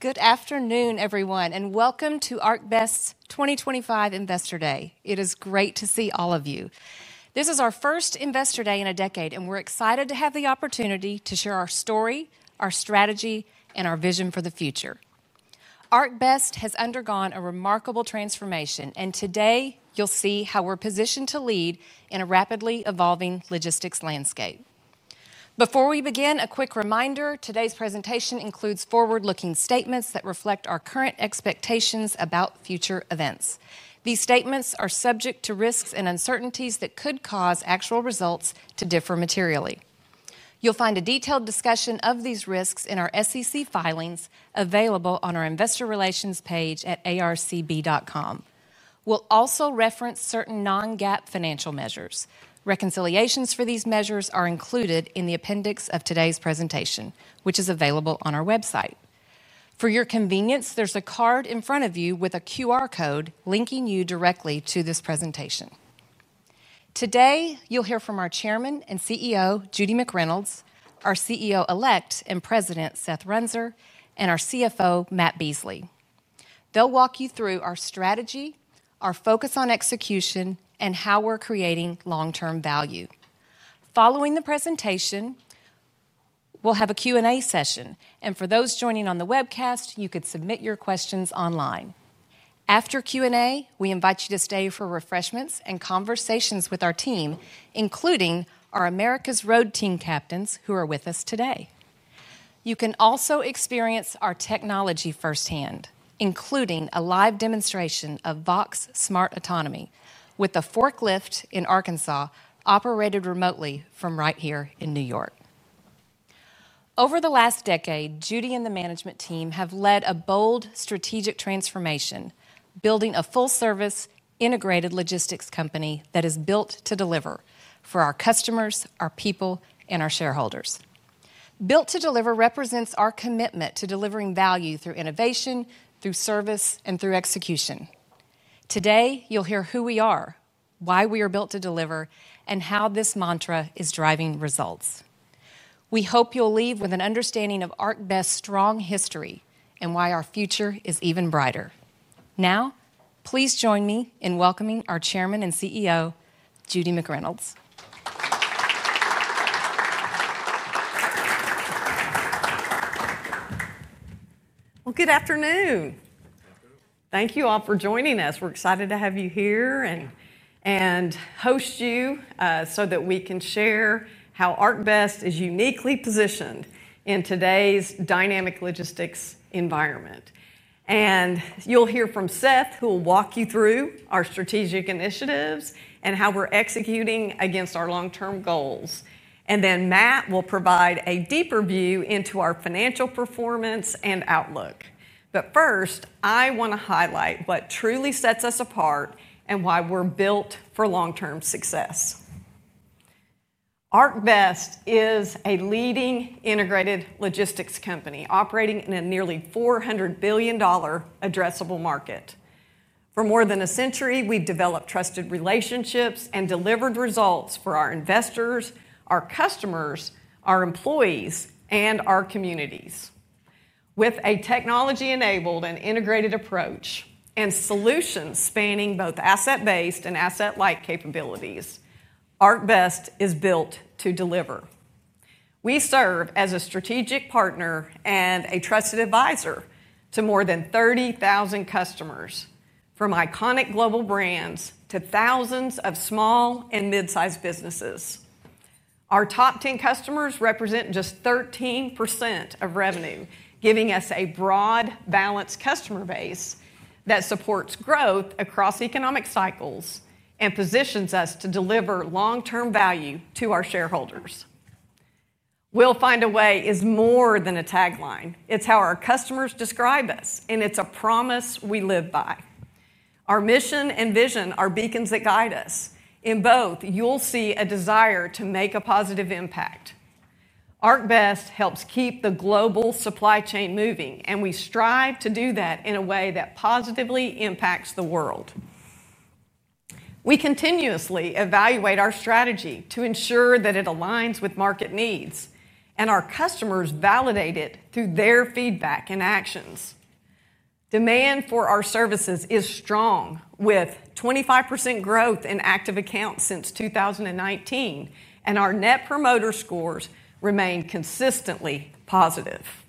Good afternoon, everyone, and welcome to ArcBest's 2025 Investor Day. It is great to see all of you. This is our first Investor Day in a decade, and we're excited to have the opportunity to share our story, our strategy, and our vision for the future. ArcBest has undergone a remarkable transformation, and today you'll see how we're positioned to lead in a rapidly evolving logistics landscape. Before we begin, a quick reminder: today's presentation includes forward-looking statements that reflect our current expectations about future events. These statements are subject to risks and uncertainties that could cause actual results to differ materially. You'll find a detailed discussion of these risks in our SEC filings available on our Investor Relations page at arcb.com. We'll also reference certain non-GAAP financial measures. Reconciliations for these measures are included in the appendix of today's presentation, which is available on our website. For your convenience, there's a card in front of you with a QR code linking you directly to this presentation. Today, you'll hear from our Chairman and CEO, Judy McReynolds, our CEO-elect and President, Seth Runser, and our CFO, Matt Beasley. They'll walk you through our strategy, our focus on execution, and how we're creating long-term value. Following the presentation, we'll have a Q&A session, and for those joining on the webcast, you could submit your questions online. After Q&A, we invite you to stay for refreshments and conversations with our team, including our America's Road team captains, who are with us today. You can also experience our technology firsthand, including a live demonstration of Vox Smart Autonomy with a forklift in Arkansas operated remotely from right here in New York. Over the last decade, Judy and the management team have led a bold strategic transformation, building a full-service, integrated logistics company that is built to deliver for our customers, our people, and our shareholders. Built to deliver represents our commitment to delivering value through innovation, through service, and through execution. Today, you'll hear who we are, why we are built to deliver, and how this mantra is driving results. We hope you'll leave with an understanding of ArcBest's strong history and why our future is even brighter. Now, please join me in welcoming our Chairman and CEO, Judy McReynolds. Good afternoon. Thank you all for joining us. We're excited to have you here and host you so that we can share how ArcBest is uniquely positioned in today's dynamic logistics environment. You'll hear from Seth, who will walk you through our strategic initiatives and how we're executing against our long-term goals. Matt will provide a deeper view into our financial performance and outlook. First, I want to highlight what truly sets us apart and why we're built for long-term success. ArcBest is a leading integrated logistics company operating in a nearly $400 billion addressable market. For more than a century, we've developed trusted relationships and delivered results for our investors, our customers, our employees, and our communities. With a technology-enabled and integrated approach and solutions spanning both asset-based and asset-light capabilities, ArcBest is built to deliver. We serve as a strategic partner and a trusted advisor to more than 30,000 customers, from iconic global brands to thousands of small and mid-sized businesses. Our top 10 customers represent just 13% of revenue, giving us a broad, balanced customer base that supports growth across economic cycles and positions us to deliver long-term value to our shareholders. "We'll Find a Way" is more than a tagline. It's how our customers describe us, and it's a promise we live by. Our mission and vision are beacons that guide us. In both, you'll see a desire to make a positive impact. ArcBest helps keep the global supply chain moving, and we strive to do that in a way that positively impacts the world. We continuously evaluate our strategy to ensure that it aligns with market needs, and our customers validate it through their feedback and actions. Demand for our services is strong, with 25% growth in active accounts since 2019, and our Net Promoter scores remain consistently positive.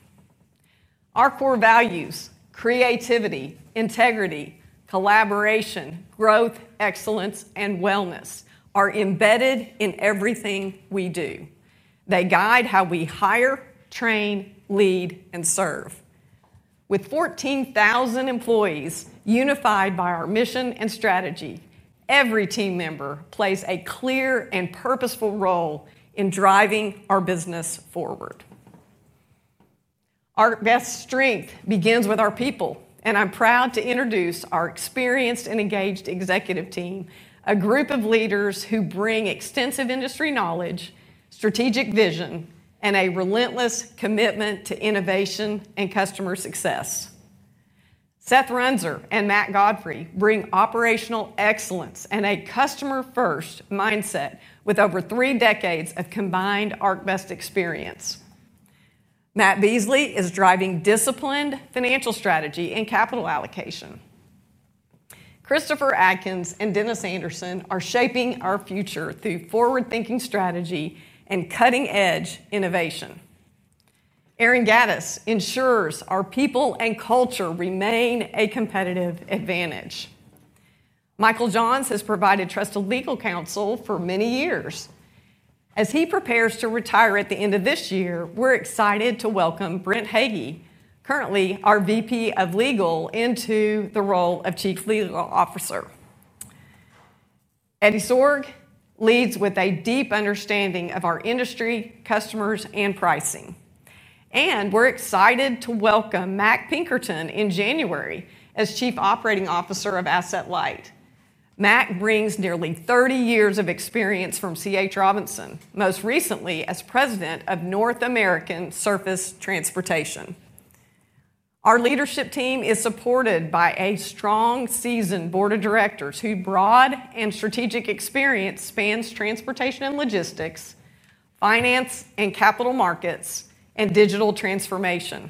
Our core values: creativity, integrity, collaboration, growth, excellence, and wellness are embedded in everything we do. They guide how we hire, train, lead, and serve. With 14,000 employees unified by our mission and strategy, every team member plays a clear and purposeful role in driving our business forward. Our best strength begins with our people, and I'm proud to introduce our experienced and engaged executive team, a group of leaders who bring extensive industry knowledge, strategic vision, and a relentless commitment to innovation and customer success. Seth Runser and Matt Godfrey bring operational excellence and a customer-first mindset with over three decades of combined ArcBest experience. Matt Beasley is driving disciplined financial strategy and capital allocation. Christopher Adkins and Dennis Anderson are shaping our future through forward-thinking strategy and cutting-edge innovation. Aaron Gaddis ensures our people and culture remain a competitive advantage. Michael Johns has provided trusted legal counsel for many years. As he prepares to retire at the end of this year, we're excited to welcome Brent Hagee, currently our VP of Legal, into the role of Chief Legal Officer. Eddie Sorg leads with a deep understanding of our industry, customers, and pricing. We're excited to welcome Mac Pinkerton in January as Chief Operating Officer of Asset Light. Mac brings nearly 30 years of experience from C.H. Robinson, most recently as President of North American Surface Transportation. Our leadership team is supported by a strong, seasoned board of directors whose broad and strategic experience spans transportation and logistics, finance and capital markets, and digital transformation.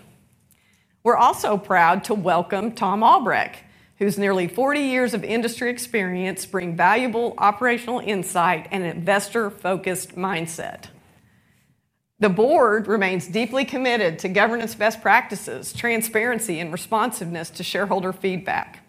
We're also proud to welcome Tom Albrecht, whose nearly 40 years of industry experience bring valuable operational insight and an investor-focused mindset. The board remains deeply committed to governance best practices, transparency, and responsiveness to shareholder feedback.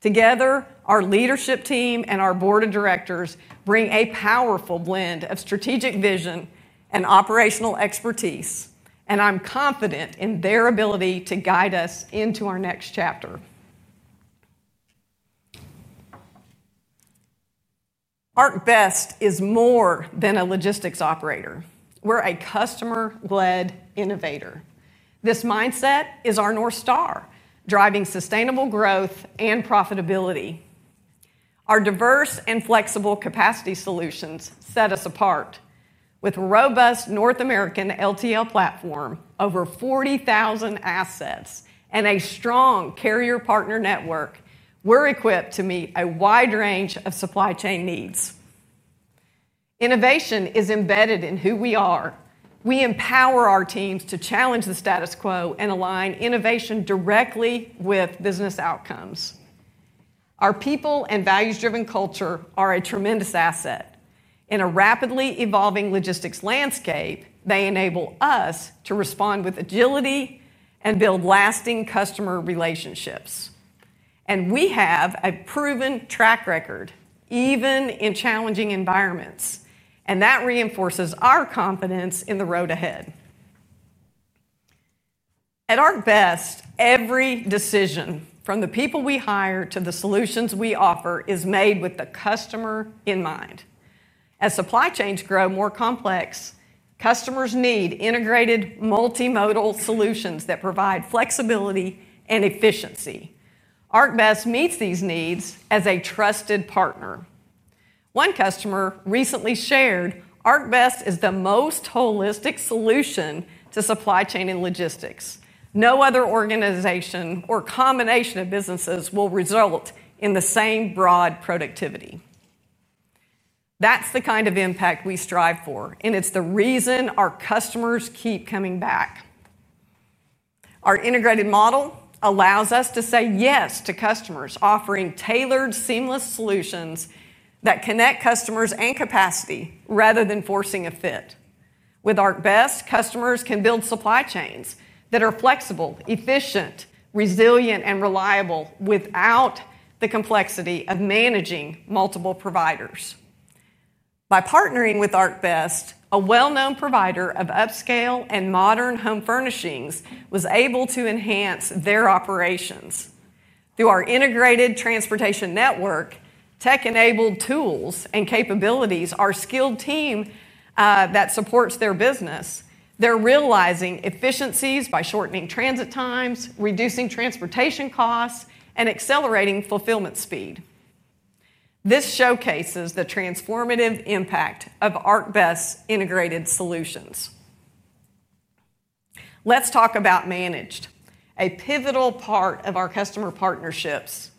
Together, our leadership team and our board of directors bring a powerful blend of strategic vision and operational expertise, and I'm confident in their ability to guide us into our next chapter. ArcBest is more than a logistics operator. We're a customer-led innovator. This mindset is our North Star, driving sustainable growth and profitability. Our diverse and flexible capacity solutions set us apart. With a robust North American LTL platform, over 40,000 assets, and a strong carrier partner network, we're equipped to meet a wide range of supply chain needs. Innovation is embedded in who we are. We empower our teams to challenge the status quo and align innovation directly with business outcomes. Our people and values-driven culture are a tremendous asset. In a rapidly evolving logistics landscape, they enable us to respond with agility and build lasting customer relationships. We have a proven track record, even in challenging environments, and that reinforces our confidence in the road ahead. At ArcBest, every decision, from the people we hire to the solutions we offer, is made with the customer in mind. As supply chains grow more complex, customers need integrated, multimodal solutions that provide flexibility and efficiency. ArcBest meets these needs as a trusted partner. One customer recently shared, "ArcBest is the most holistic solution to supply chain and logistics. No other organization or combination of businesses will result in the same broad productivity." That's the kind of impact we strive for, and it's the reason our customers keep coming back. Our integrated model allows us to say yes to customers, offering tailored, seamless solutions that connect customers and capacity rather than forcing a fit. With ArcBest, customers can build supply chains that are flexible, efficient, resilient, and reliable without the complexity of managing multiple providers. By partnering with ArcBest, a well-known provider of upscale and modern home furnishings was able to enhance their operations. Through our integrated transportation network, tech-enabled tools and capabilities, our skilled team that supports their business, they're realizing efficiencies by shortening transit times, reducing transportation costs, and accelerating fulfillment speed. This showcases the transformative impact of ArcBest's integrated solutions. Let's talk about Managed, a pivotal part of our customer partnerships.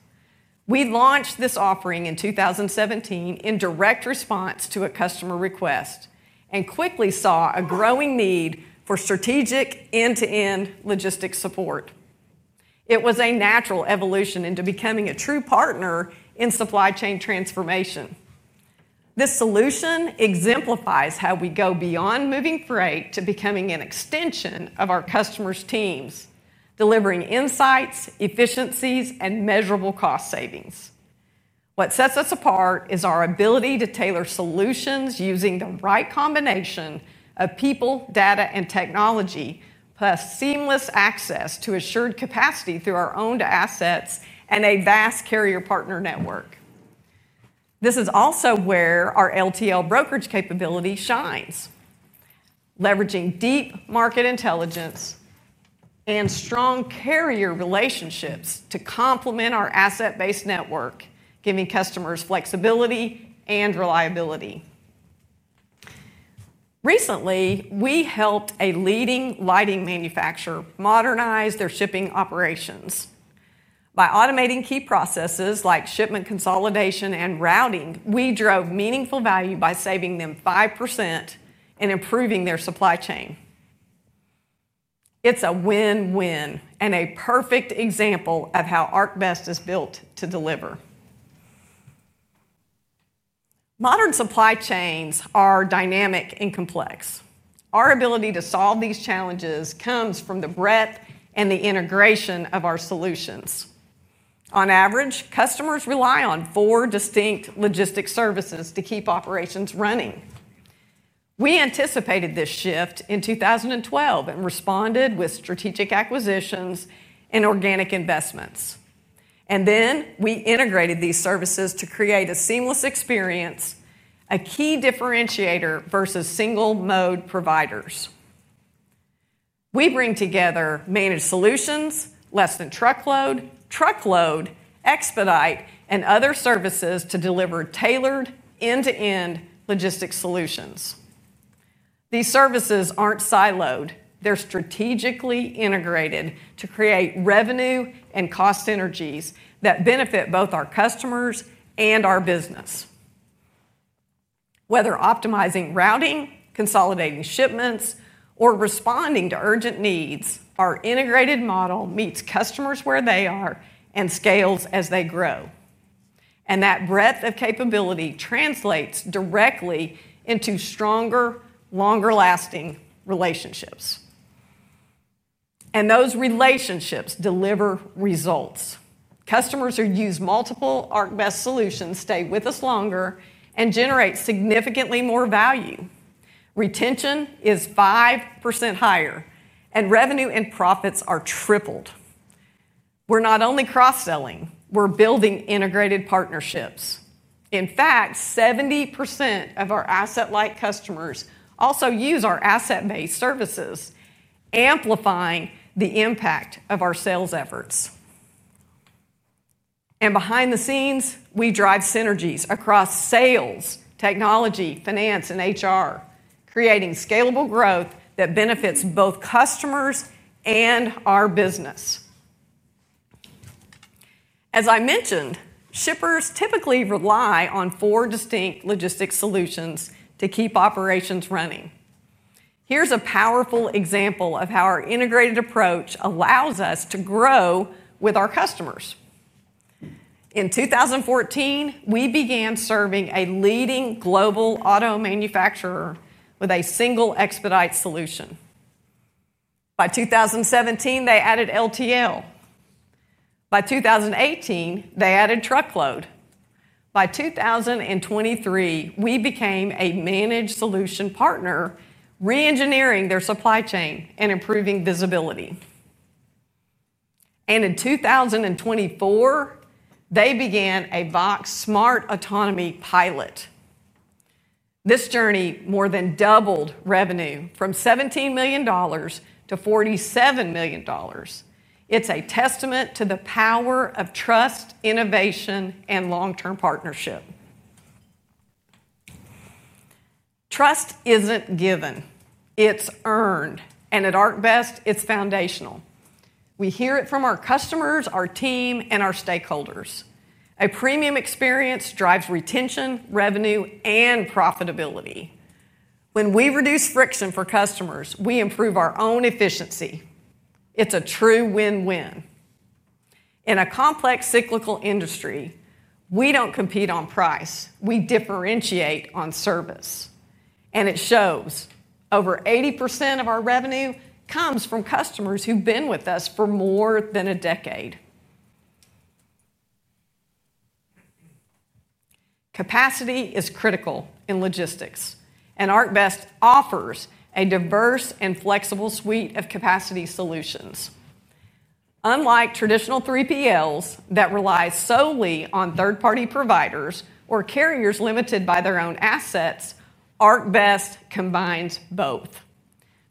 We launched this offering in 2017 in direct response to a customer request and quickly saw a growing need for strategic end-to-end logistics support. It was a natural evolution into becoming a true partner in supply chain transformation. This solution exemplifies how we go beyond moving freight to becoming an extension of our customers' teams, delivering insights, efficiencies, and measurable cost savings. What sets us apart is our ability to tailor solutions using the right combination of people, data, and technology, plus seamless access to assured capacity through our owned assets and a vast carrier partner network. This is also where our LTL brokerage capability shines, leveraging deep market intelligence and strong carrier relationships to complement our asset-based network, giving customers flexibility and reliability. Recently, we helped a leading lighting manufacturer modernize their shipping operations. By automating key processes like shipment consolidation and routing, we drove meaningful value by saving them 5% and improving their supply chain. It's a win-win and a perfect example of how ArcBest is built to deliver. Modern supply chains are dynamic and complex. Our ability to solve these challenges comes from the breadth and the integration of our solutions. On average, customers rely on four distinct logistics services to keep operations running. We anticipated this shift in 2012 and responded with strategic acquisitions and organic investments. We integrated these services to create a seamless experience, a key differentiator versus single-mode providers. We bring together managed solutions, less-than-truckload, truckload, expedite, and other services to deliver tailored end-to-end logistics solutions. These services aren't siloed, they're strategically integrated to create revenue and cost synergies that benefit both our customers and our business. Whether optimizing routing, consolidating shipments, or responding to urgent needs, our integrated model meets customers where they are and scales as they grow. That breadth of capability translates directly into stronger, longer-lasting relationships. Those relationships deliver results. Customers who use multiple ArcBest solutions stay with us longer and generate significantly more value. Retention is 5% higher, and revenue and profits are tripled. We're not only cross-selling, we're building integrated partnerships. In fact, 70% of our asset-light customers also use our asset-based services, amplifying the impact of our sales efforts. Behind the scenes, we drive synergies across sales, technology, finance, and HR, creating scalable growth that benefits both customers and our business. As I mentioned, shippers typically rely on four distinct logistics solutions to keep operations running. Here's a powerful example of how our integrated approach allows us to grow with our customers. In 2014, we began serving a leading global auto manufacturer with a single expedite solution. By 2017, they added less-than-truckload. By 2018, they added truckload. By 2023, we became a managed solution partner, re-engineering their supply chain and improving visibility. In 2024, they began a Vox Smart Autonomy pilot. This journey more than doubled revenue from $17 million to $47 million. It's a testament to the power of trust, innovation, and long-term partnership. Trust isn't given, it's earned, and at ArcBest, it's foundational. We hear it from our customers, our team, and our stakeholders. A premium experience drives retention, revenue, and profitability. When we reduce friction for customers, we improve our own efficiency. It's a true win-win. In a complex, cyclical industry, we don't compete on price; we differentiate on service. It shows over 80% of our revenue comes from customers who've been with us for more than a decade. Capacity is critical in logistics, and ArcBest offers a diverse and flexible suite of capacity solutions. Unlike traditional 3PLs that rely solely on third-party providers or carriers limited by their own assets, ArcBest combines both.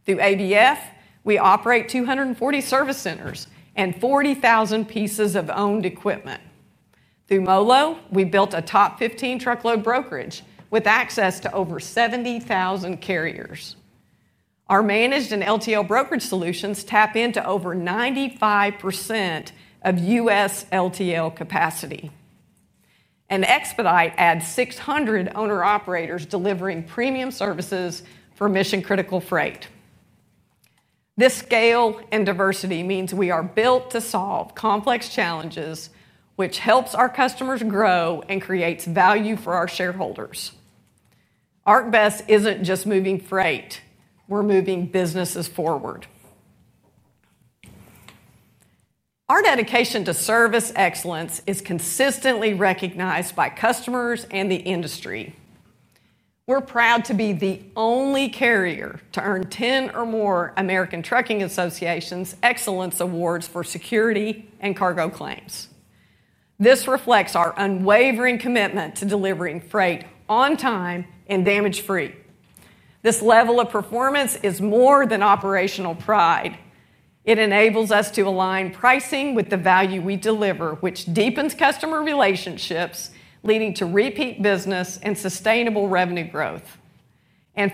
Through ABF Freight, we operate 240 service centers and 40,000 pieces of owned equipment. Through MOLO, we built a top 15 truckload brokerage with access to over 70,000 carriers. Our managed and LTL brokerage solutions tap into over 95% of U.S. LTL capacity. An expedite adds 600 owner-operators delivering premium services for mission-critical freight. This scale and diversity means we are built to solve complex challenges, which helps our customers grow and creates value for our shareholders. ArcBest isn't just moving freight; we're moving businesses forward. Our dedication to service excellence is consistently recognized by customers and the industry. We're proud to be the only carrier to earn 10 or more American Trucking Association's Excellence Awards for security and cargo claims. This reflects our unwavering commitment to delivering freight on time and damage-free. This level of performance is more than operational pride; it enables us to align pricing with the value we deliver, which deepens customer relationships, leading to repeat business and sustainable revenue growth.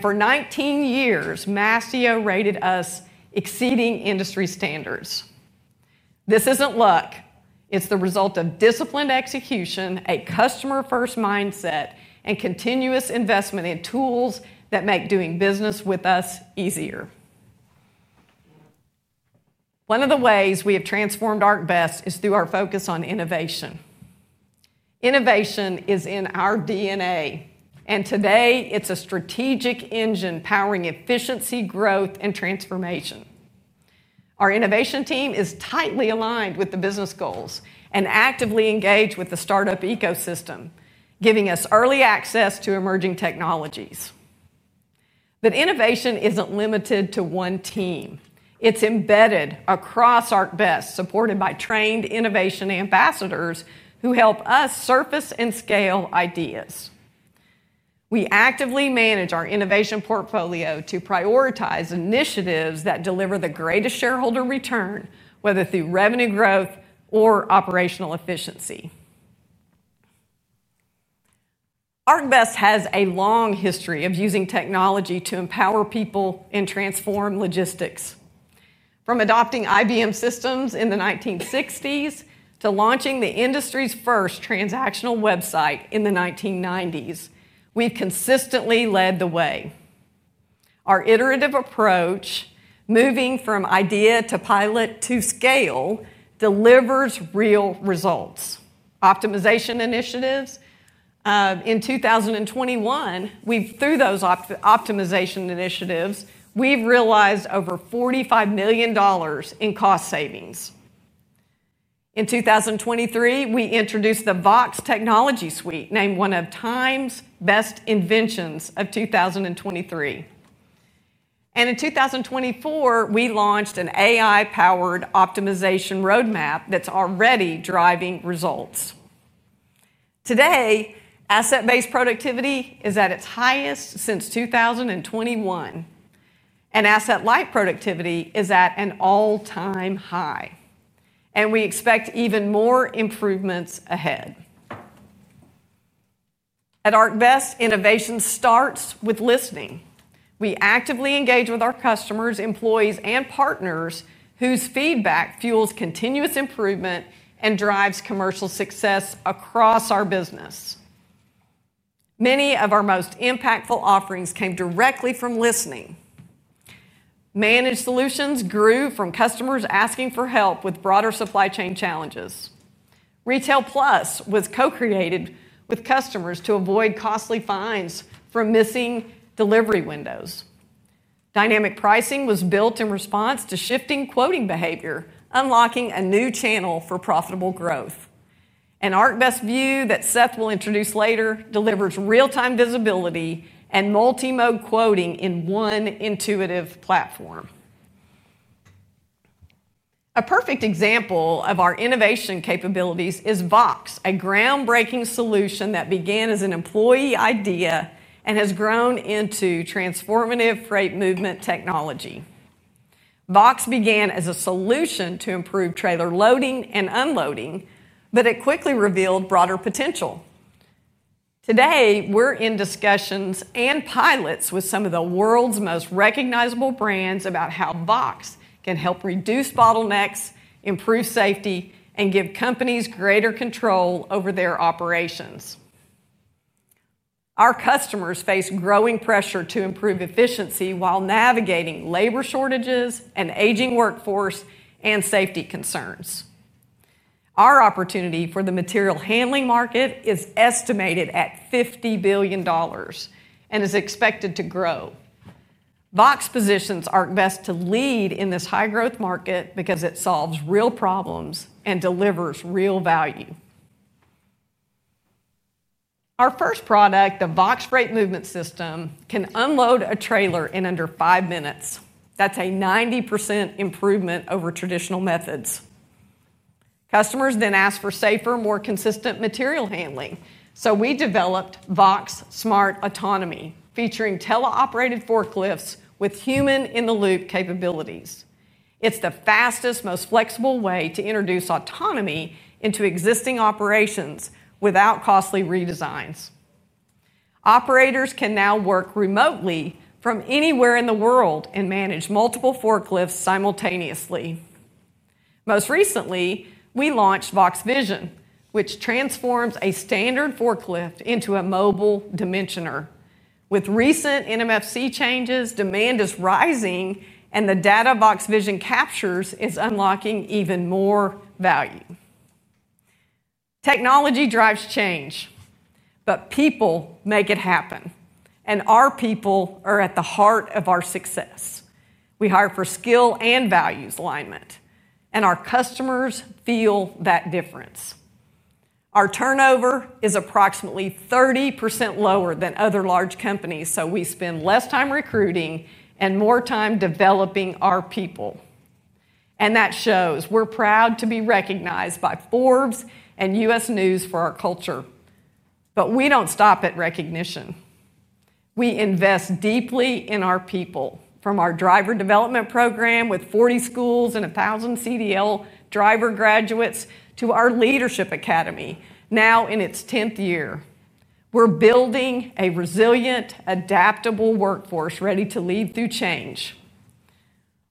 For 19 years, Mastio rated us exceeding industry standards. This isn't luck; it's the result of disciplined execution, a customer-first mindset, and continuous investment in tools that make doing business with us easier. One of the ways we have transformed ArcBest is through our focus on innovation. Innovation is in our DNA, and today it's a strategic engine powering efficiency, growth, and transformation. Our innovation team is tightly aligned with the business goals and actively engaged with the startup ecosystem, giving us early access to emerging technologies. Innovation isn't limited to one team; it's embedded across ArcBest, supported by trained innovation ambassadors who help us surface and scale ideas. We actively manage our innovation portfolio to prioritize initiatives that deliver the greatest shareholder return, whether through revenue growth or operational efficiency. ArcBest has a long history of using technology to empower people and transform logistics. From adopting IBM systems in the 1960s to launching the industry's first transactional website in the 1990s, we've consistently led the way. Our iterative approach, moving from idea to pilot to scale, delivers real results. Through those optimization initiatives in 2021, we've realized over $45 million in cost savings. In 2023, we introduced the Vox suite, named one of Time's Best Inventions of 2023. In 2024, we launched an AI-powered optimization roadmap that's already driving results. Today, asset-based productivity is at its highest since 2021, and asset-light productivity is at an all-time high. We expect even more improvements ahead. At ArcBest, innovation starts with listening. We actively engage with our customers, employees, and partners, whose feedback fuels continuous improvement and drives commercial success across our business. Many of our most impactful offerings came directly from listening. Managed transportation solutions grew from customers asking for help with broader supply chain challenges. Retail Plus was co-created with customers to avoid costly fines from missing delivery windows. Dynamic pricing models were built in response to shifting quoting behavior, unlocking a new channel for profitable growth. An ArcBest View that Seth will introduce later delivers real-time visibility and multimodal quoting in one intuitive platform. A perfect example of our innovation capabilities is Vox, a groundbreaking solution that began as an employee idea and has grown into transformative freight movement technology. Vox began as a solution to improve trailer loading and unloading, but it quickly revealed broader potential. Today, we're in discussions and pilots with some of the world's most recognizable brands about how Vox can help reduce bottlenecks, improve safety, and give companies greater control over their operations. Our customers face growing pressure to improve efficiency while navigating labor shortages, an aging workforce, and safety concerns. Our opportunity for the material handling market is estimated at $50 billion and is expected to grow. Vox positions ArcBest to lead in this high-growth market because it solves real problems and delivers real value. Our first product, the Vox Freight Movement System, can unload a trailer in under five minutes. That's a 90% improvement over traditional methods. Customers then ask for safer, more consistent material handling. We developed Vox Smart Autonomy, featuring teleoperated forklifts with human-in-the-loop capabilities. It's the fastest, most flexible way to introduce autonomy into existing operations without costly redesigns. Operators can now work remotely from anywhere in the world and manage multiple forklifts simultaneously. Most recently, we launched Vox Vision, which transforms a standard forklift into a mobile dimensioner. With recent NMFC changes, demand is rising, and the data Vox Vision captures is unlocking even more value. Technology drives change, but people make it happen. Our people are at the heart of our success. We hire for skill and values alignment, and our customers feel that difference. Our turnover is approximately 30% lower than other large companies, so we spend less time recruiting and more time developing our people. That shows we're proud to be recognized by Forbes and U.S. News for our culture. We don't stop at recognition. We invest deeply in our people, from our driver development program with 40 schools and 1,000 CDL driver graduates to our Leadership Academy, now in its 10th year. We're building a resilient, adaptable workforce ready to lead through change.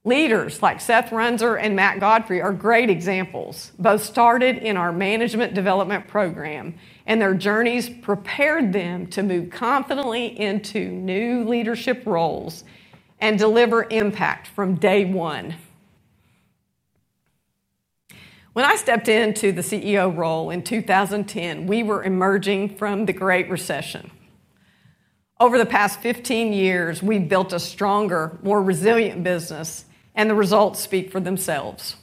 Leaders like Seth Runser and Matt Godfrey are great examples. Both started in our management development program, and their journeys prepared them to move confidently into new leadership roles and deliver impact from day one. When I stepped into the CEO role in 2010, we were emerging from the Great Recession. Over the past 15 years, we've built a stronger, more resilient business, and the results speak for themselves.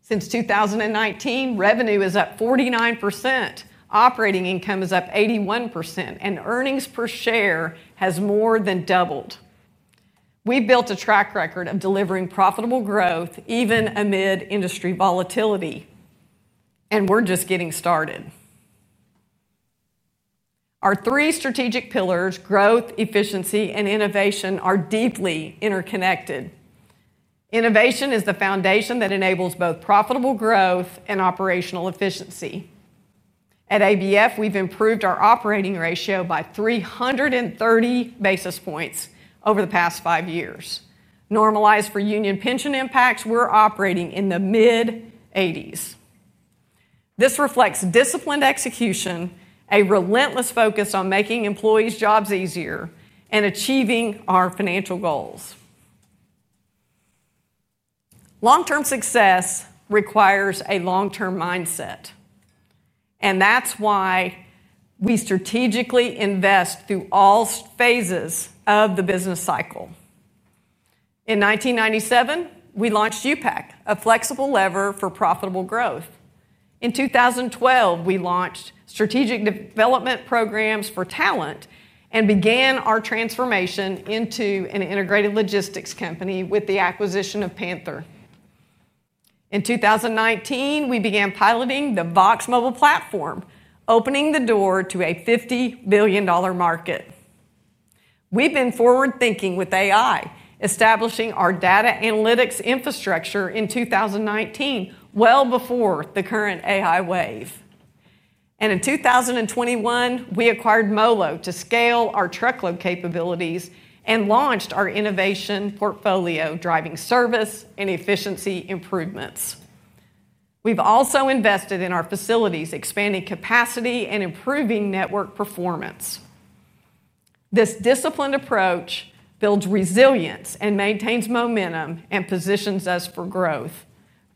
Since 2019, revenue is up 49%, operating income is up 81%, and earnings per share have more than doubled. We've built a track record of delivering profitable growth even amid industry volatility, and we're just getting started. Our three strategic pillars, growth, efficiency, and innovation, are deeply interconnected. Innovation is the foundation that enables both profitable growth and operational efficiency. At ABF Freight, we've improved our operating ratio by 330 basis points over the past five years. Normalized for union pension impacts, we're operating in the mid-80s. This reflects disciplined execution, a relentless focus on making employees' jobs easier, and achieving our financial goals. Long-term success requires a long-term mindset, and that's why we strategically invest through all phases of the business cycle. In 1997, we launched UPAC, a flexible lever for profitable growth. In 2012, we launched strategic development programs for talent and began our transformation into an integrated logistics company with the acquisition of Panther Premium Logistics. In 2019, we began piloting the Vox mobile platform, opening the door to a $50 billion market. We've been forward-thinking with AI, establishing our data analytics infrastructure in 2019, well before the current AI wave. In 2021, we acquired MOLO to scale our truckload brokerage capabilities and launched our innovation portfolio, driving service and efficiency improvements. We've also invested in our facilities, expanding capacity and improving network performance. This disciplined approach builds resilience, maintains momentum, and positions us for growth,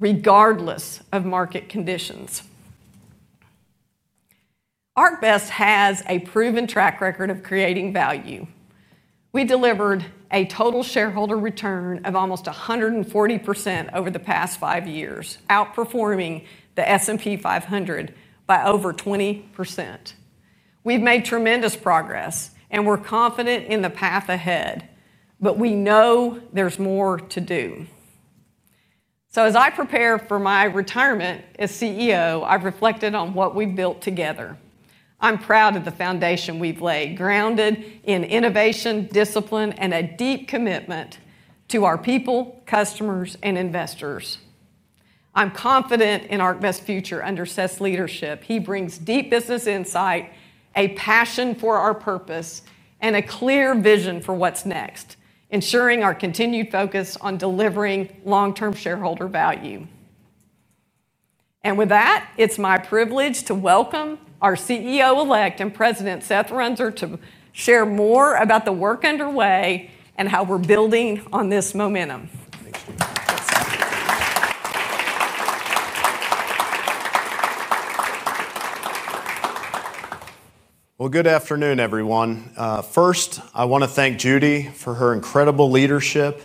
regardless of market conditions. ArcBest has a proven track record of creating value. We delivered a total shareholder return of almost 140% over the past five years, outperforming the S&P 500 by over 20%. We've made tremendous progress, and we're confident in the path ahead, but we know there's more to do. As I prepare for my retirement as CEO, I've reflected on what we've built together. I'm proud of the foundation we've laid, grounded in innovation, discipline, and a deep commitment to our people, customers, and investors. I'm confident in ArcBest's future under Seth's leadership. He brings deep business insight, a passion for our purpose, and a clear vision for what's next, ensuring our continued focus on delivering long-term shareholder value. With that, it's my privilege to welcome our CEO-elect and President, Seth Runser, to share more about the work underway and how we're building on this momentum. Good afternoon, everyone. First, I want to thank Judy for her incredible leadership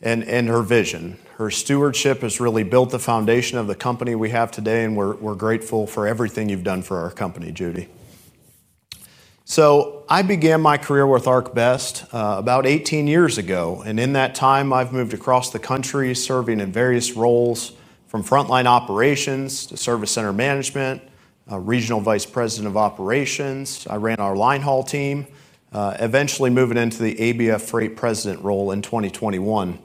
and her vision. Her stewardship has really built the foundation of the company we have today, and we're grateful for everything you've done for our company, Judy. I began my career with ArcBest about 18 years ago, and in that time, I've moved across the country, serving in various roles from frontline operations to Service Center Management, Regional Vice President of Operations. I ran our line haul team, eventually moving into the ABF Freight President role in 2021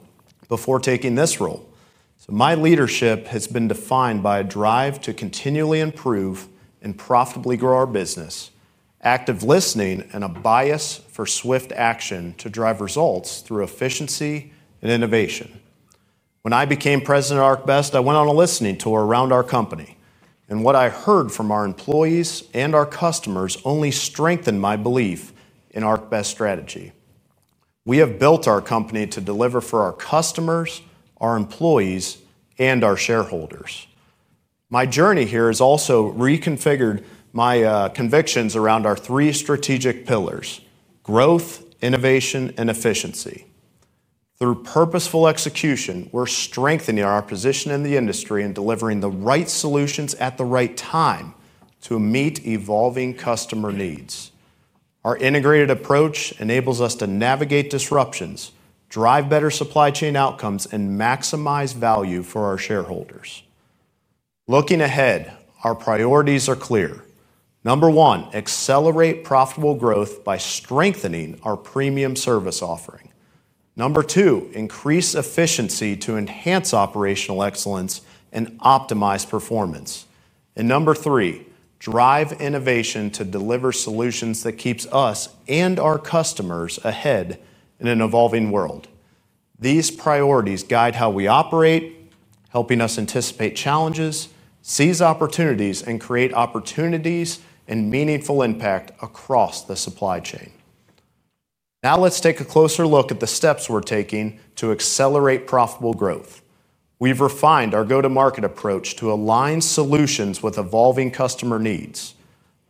before taking this role. My leadership has been defined by a drive to continually improve and profitably grow our business, active listening, and a bias for swift action to drive results through efficiency and innovation. When I became President of ArcBest, I went on a listening tour around our company, and what I heard from our employees and our customers only strengthened my belief in ArcBest's strategy. We have built our company to deliver for our customers, our employees, and our shareholders. My journey here has also reconfigured my convictions around our three strategic pillars: growth, innovation, and efficiency. Through purposeful execution, we're strengthening our position in the industry and delivering the right solutions at the right time to meet evolving customer needs. Our integrated approach enables us to navigate disruptions, drive better supply chain outcomes, and maximize value for our shareholders. Looking ahead, our priorities are clear. Number one, accelerate profitable growth by strengthening our premium service offering. Number two, increase efficiency to enhance operational excellence and optimize performance. Number three, drive innovation to deliver solutions that keep us and our customers ahead in an evolving world. These priorities guide how we operate, helping us anticipate challenges, seize opportunities, and create opportunities and meaningful impact across the supply chain. Now let's take a closer look at the steps we're taking to accelerate profitable growth. We've refined our go-to-market approach to align solutions with evolving customer needs.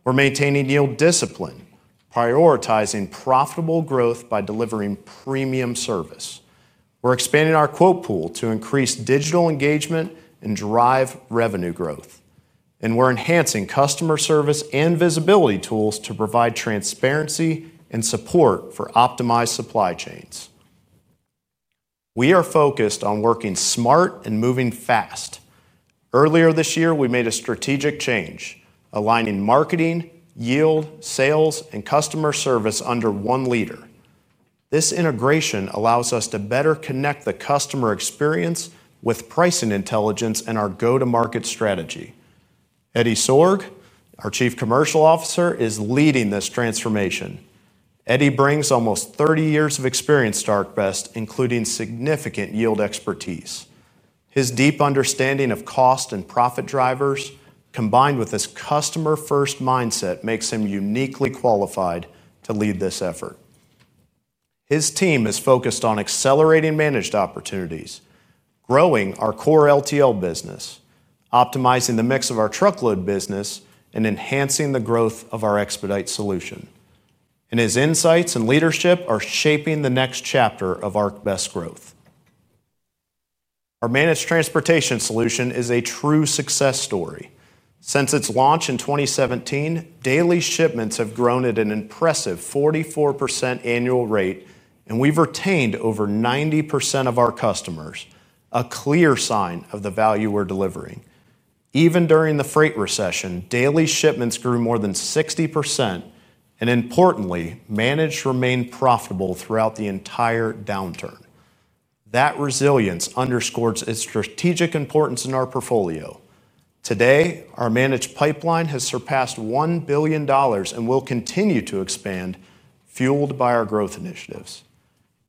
We're maintaining yield discipline, prioritizing profitable growth by delivering premium service. We're expanding our quote pool to increase digital engagement and drive revenue growth. We're enhancing customer service and visibility tools to provide transparency and support for optimized supply chains. We are focused on working smart and moving fast. Earlier this year, we made a strategic change, aligning Marketing, Yield, Sales, and Customer Service under one leader. This integration allows us to better connect the customer experience with pricing intelligence and our go-to-market strategy. Eddie Sorg, our Chief Commercial Officer, is leading this transformation. Eddie brings almost 30 years of experience to ArcBest, including significant yield expertise. His deep understanding of cost and profit drivers, combined with his customer-first mindset, makes him uniquely qualified to lead this effort. His team is focused on accelerating managed opportunities, growing our core LTL business, optimizing the mix of our truckload business, and enhancing the growth of our expedite solution. His insights and leadership are shaping the next chapter of ArcBest's growth. Our managed transportation solution is a true success story. Since its launch in 2017, daily shipments have grown at an impressive 44% annual rate, and we've retained over 90% of our customers, a clear sign of the value we're delivering. Even during the freight recession, daily shipments grew more than 60%, and importantly, managed remained profitable throughout the entire downturn. That resilience underscores its strategic importance in our portfolio. Today, our managed pipeline has surpassed $1 billion and will continue to expand, fueled by our growth initiatives.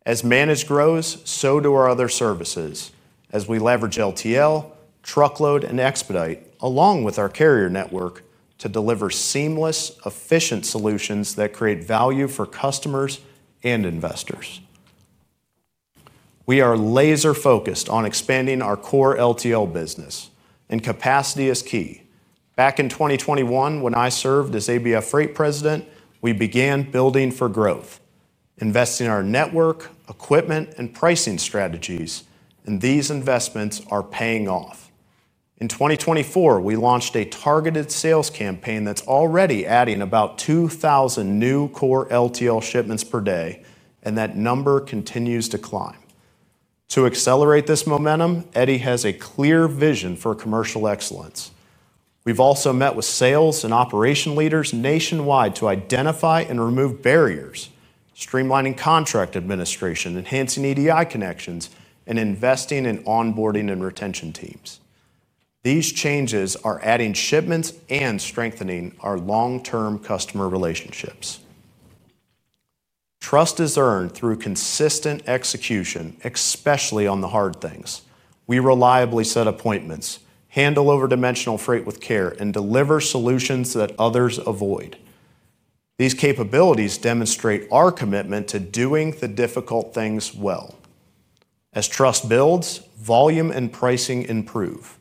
As managed grows, so do our other services, as we leverage LTL, truckload, and expedite, along with our carrier network, to deliver seamless, efficient solutions that create value for customers and investors. We are laser-focused on expanding our core LTL business, and capacity is key. Back in 2021, when I served as ABF Freight President, we began building for growth, investing in our network, equipment, and pricing strategies, and these investments are paying off. In 2024, we launched a targeted sales campaign that's already adding about 2,000 new core LTL shipments per day, and that number continues to climb. To accelerate this momentum, Eddie has a clear vision for commercial excellence. We've also met with sales and operation leaders nationwide to identify and remove barriers, streamlining contract administration, enhancing EDI connections, and investing in onboarding and retention teams. These changes are adding shipments and strengthening our long-term customer relationships. Trust is earned through consistent execution, especially on the hard things. We reliably set appointments, handle over-dimensional freight with care, and deliver solutions that others avoid. These capabilities demonstrate our commitment to doing the difficult things well. As trust builds, volume and pricing improve.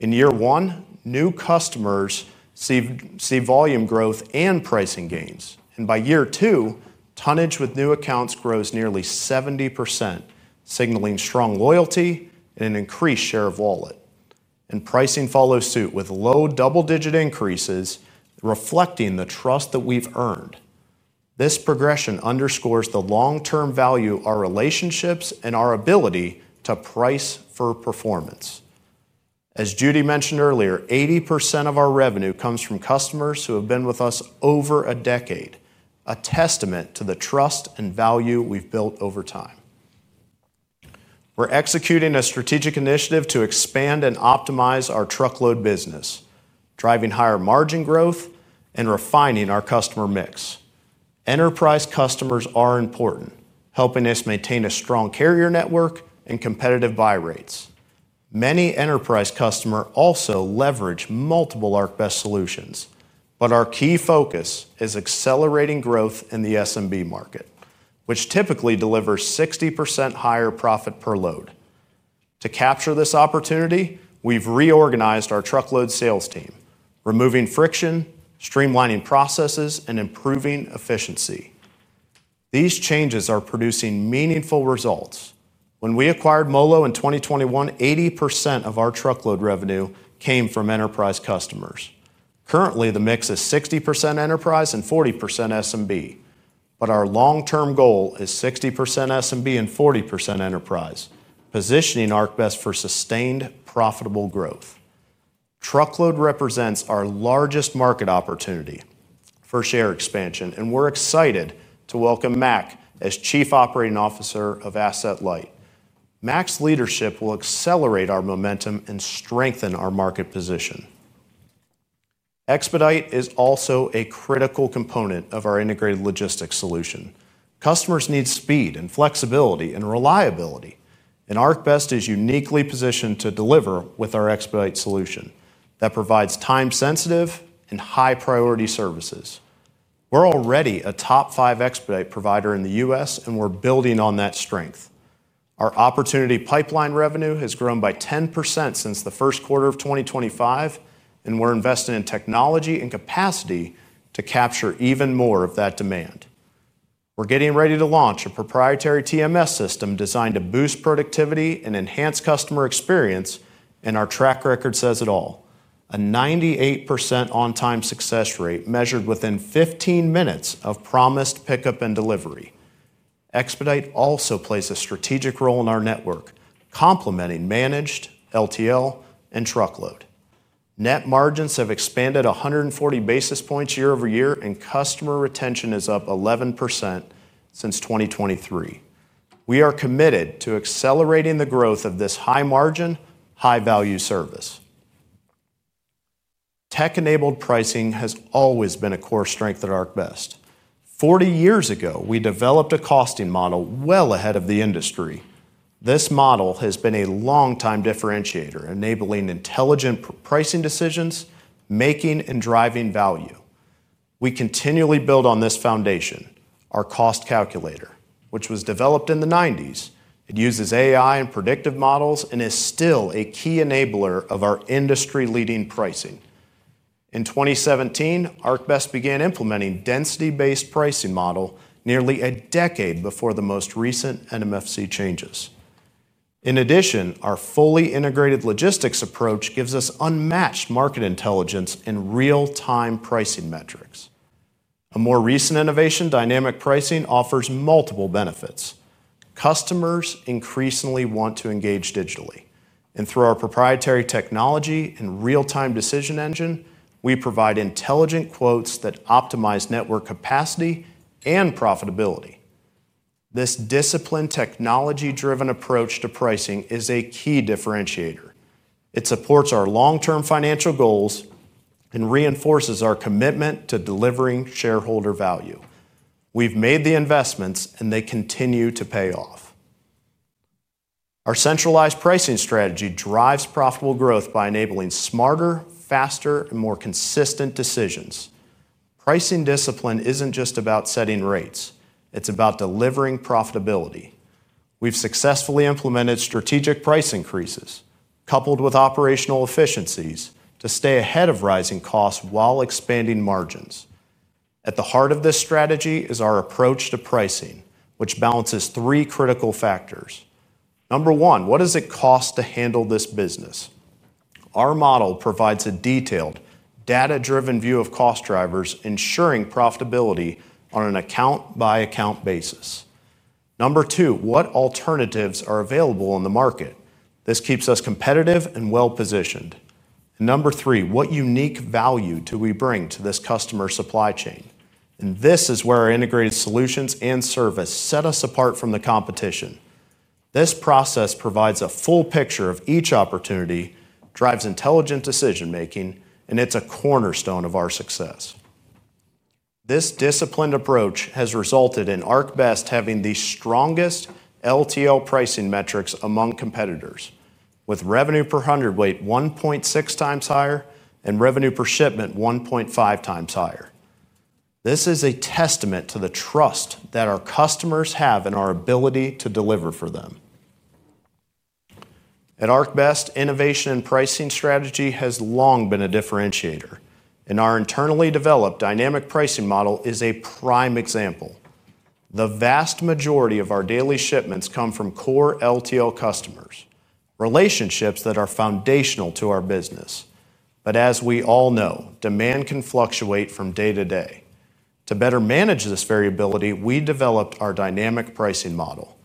In year one, new customers see volume growth and pricing gains, and by year two, tonnage with new accounts grows nearly 70%, signaling strong loyalty and an increased share of wallet. Pricing follows suit with low double-digit increases, reflecting the trust that we've earned. This progression underscores the long-term value of our relationships and our ability to price for performance. As Judy mentioned earlier, 80% of our revenue comes from customers who have been with us over a decade, a testament to the trust and value we've built over time. We're executing a strategic initiative to expand and optimize our truckload business, driving higher margin growth and refining our customer mix. Enterprise customers are important, helping us maintain a strong carrier network and competitive buy rates. Many enterprise customers also leverage multiple ArcBest solutions, but our key focus is accelerating growth in the SMB market, which typically delivers 60% higher profit per load. To capture this opportunity, we've reorganized our truckload sales team, removing friction, streamlining processes, and improving efficiency. These changes are producing meaningful results. When we acquired MOLO in 2021, 80% of our truckload revenue came from enterprise customers. Currently, the mix is 60% enterprise and 40% SMB, but our long-term goal is 60% SMB and 40% enterprise, positioning ArcBest for sustained profitable growth. Truckload represents our largest market opportunity for share expansion, and we're excited to welcome Mac as Chief Operating Officer of Asset Light. Mac's leadership will accelerate our momentum and strengthen our market position. Expedite is also a critical component of our integrated logistics solution. Customers need speed, flexibility, and reliability, and ArcBest is uniquely positioned to deliver with our Expedite solution that provides time-sensitive and high-priority services. We're already a top five Expedite provider in the U.S., and we're building on that strength. Our opportunity pipeline revenue has grown by 10% since the first quarter of 2025, and we're investing in technology and capacity to capture even more of that demand. We're getting ready to launch a proprietary TMS system designed to boost productivity and enhance customer experience, and our track record says it all: a 98% on-time success rate measured within 15 minutes of promised pickup and delivery. Expedite also plays a strategic role in our network, complementing managed less-than-truckload (LTL) and truckload. Net margins have expanded 140 basis points year over year, and customer retention is up 11% since 2023. We are committed to accelerating the growth of this high-margin, high-value service. Tech-enabled pricing has always been a core strength at ArcBest. Forty years ago, we developed a costing model well ahead of the industry. This model has been a long-time differentiator, enabling intelligent pricing decisions, making and driving value. We continually build on this foundation, our cost calculator, which was developed in the 1990s. It uses AI and predictive models and is still a key enabler of our industry-leading pricing. In 2017, ArcBest began implementing a density-based pricing model nearly a decade before the most recent NMFC changes. In addition, our fully integrated logistics approach gives us unmatched market intelligence and real-time pricing metrics. A more recent innovation, dynamic pricing, offers multiple benefits. Customers increasingly want to engage digitally, and through our proprietary technology and real-time decision engine, we provide intelligent quotes that optimize network capacity and profitability. This disciplined, technology-driven approach to pricing is a key differentiator. It supports our long-term financial goals and reinforces our commitment to delivering shareholder value. We've made the investments, and they continue to pay off. Our centralized pricing strategy drives profitable growth by enabling smarter, faster, and more consistent decisions. Pricing discipline isn't just about setting rates; it's about delivering profitability. We've successfully implemented strategic price increases, coupled with operational efficiencies, to stay ahead of rising costs while expanding margins. At the heart of this strategy is our approach to pricing, which balances three critical factors. Number one, what does it cost to handle this business? Our model provides a detailed, data-driven view of cost drivers, ensuring profitability on an account-by-account basis. Number two, what alternatives are available in the market? This keeps us competitive and well-positioned. Number three, what unique value do we bring to this customer supply chain? This is where our integrated solutions and service set us apart from the competition. This process provides a full picture of each opportunity, drives intelligent decision-making, and it's a cornerstone of our success. This disciplined approach has resulted in ArcBest having the strongest less-than-truckload (LTL) pricing metrics among competitors, with revenue per hundred weight 1.6 times higher and revenue per shipment 1.5 times higher. This is a testament to the trust that our customers have in our ability to deliver for them. At ArcBest, innovation in pricing strategy has long been a differentiator, and our internally developed dynamic pricing model is a prime example. The vast majority of our daily shipments come from core less-than-truckload (LTL) customers, relationships that are foundational to our business. As we all know, demand can fluctuate from day to day. To better manage this variability, we developed our dynamic pricing model.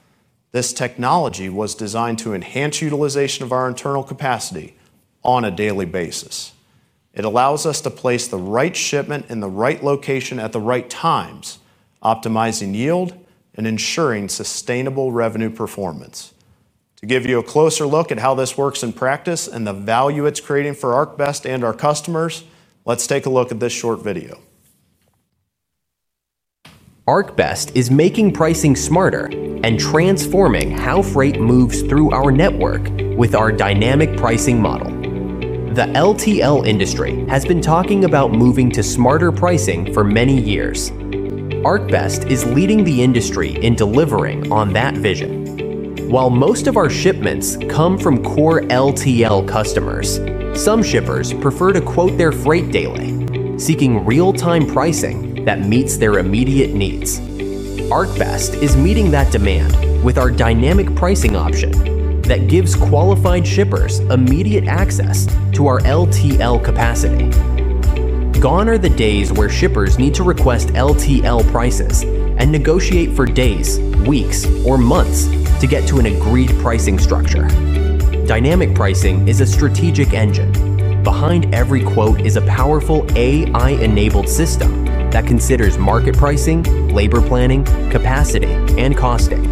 This technology was designed to enhance utilization of our internal capacity on a daily basis. It allows us to place the right shipment in the right location at the right times, optimizing yield and ensuring sustainable revenue performance. To give you a closer look at how this works in practice and the value it's creating for ArcBest and our customers, let's take a look at this short video. ArcBest is making pricing smarter and transforming how freight moves through our network with our dynamic pricing model. The less-than-truckload (LTL) industry has been talking about moving to smarter pricing for many years. ArcBest is leading the industry in delivering on that vision. While most of our shipments come from core less-than-truckload (LTL) customers, some shippers prefer to quote their freight daily, seeking real-time pricing that meets their immediate needs. ArcBest is meeting that demand with our dynamic pricing option that gives qualified shippers immediate access to our less-than-truckload (LTL) capacity. Gone are the days where shippers need to request less-than-truckload (LTL) prices and negotiate for days, weeks, or months to get to an agreed pricing structure. Dynamic pricing is a strategic engine. Behind every quote is a powerful AI-enabled system that considers market pricing, labor planning, capacity, and costing,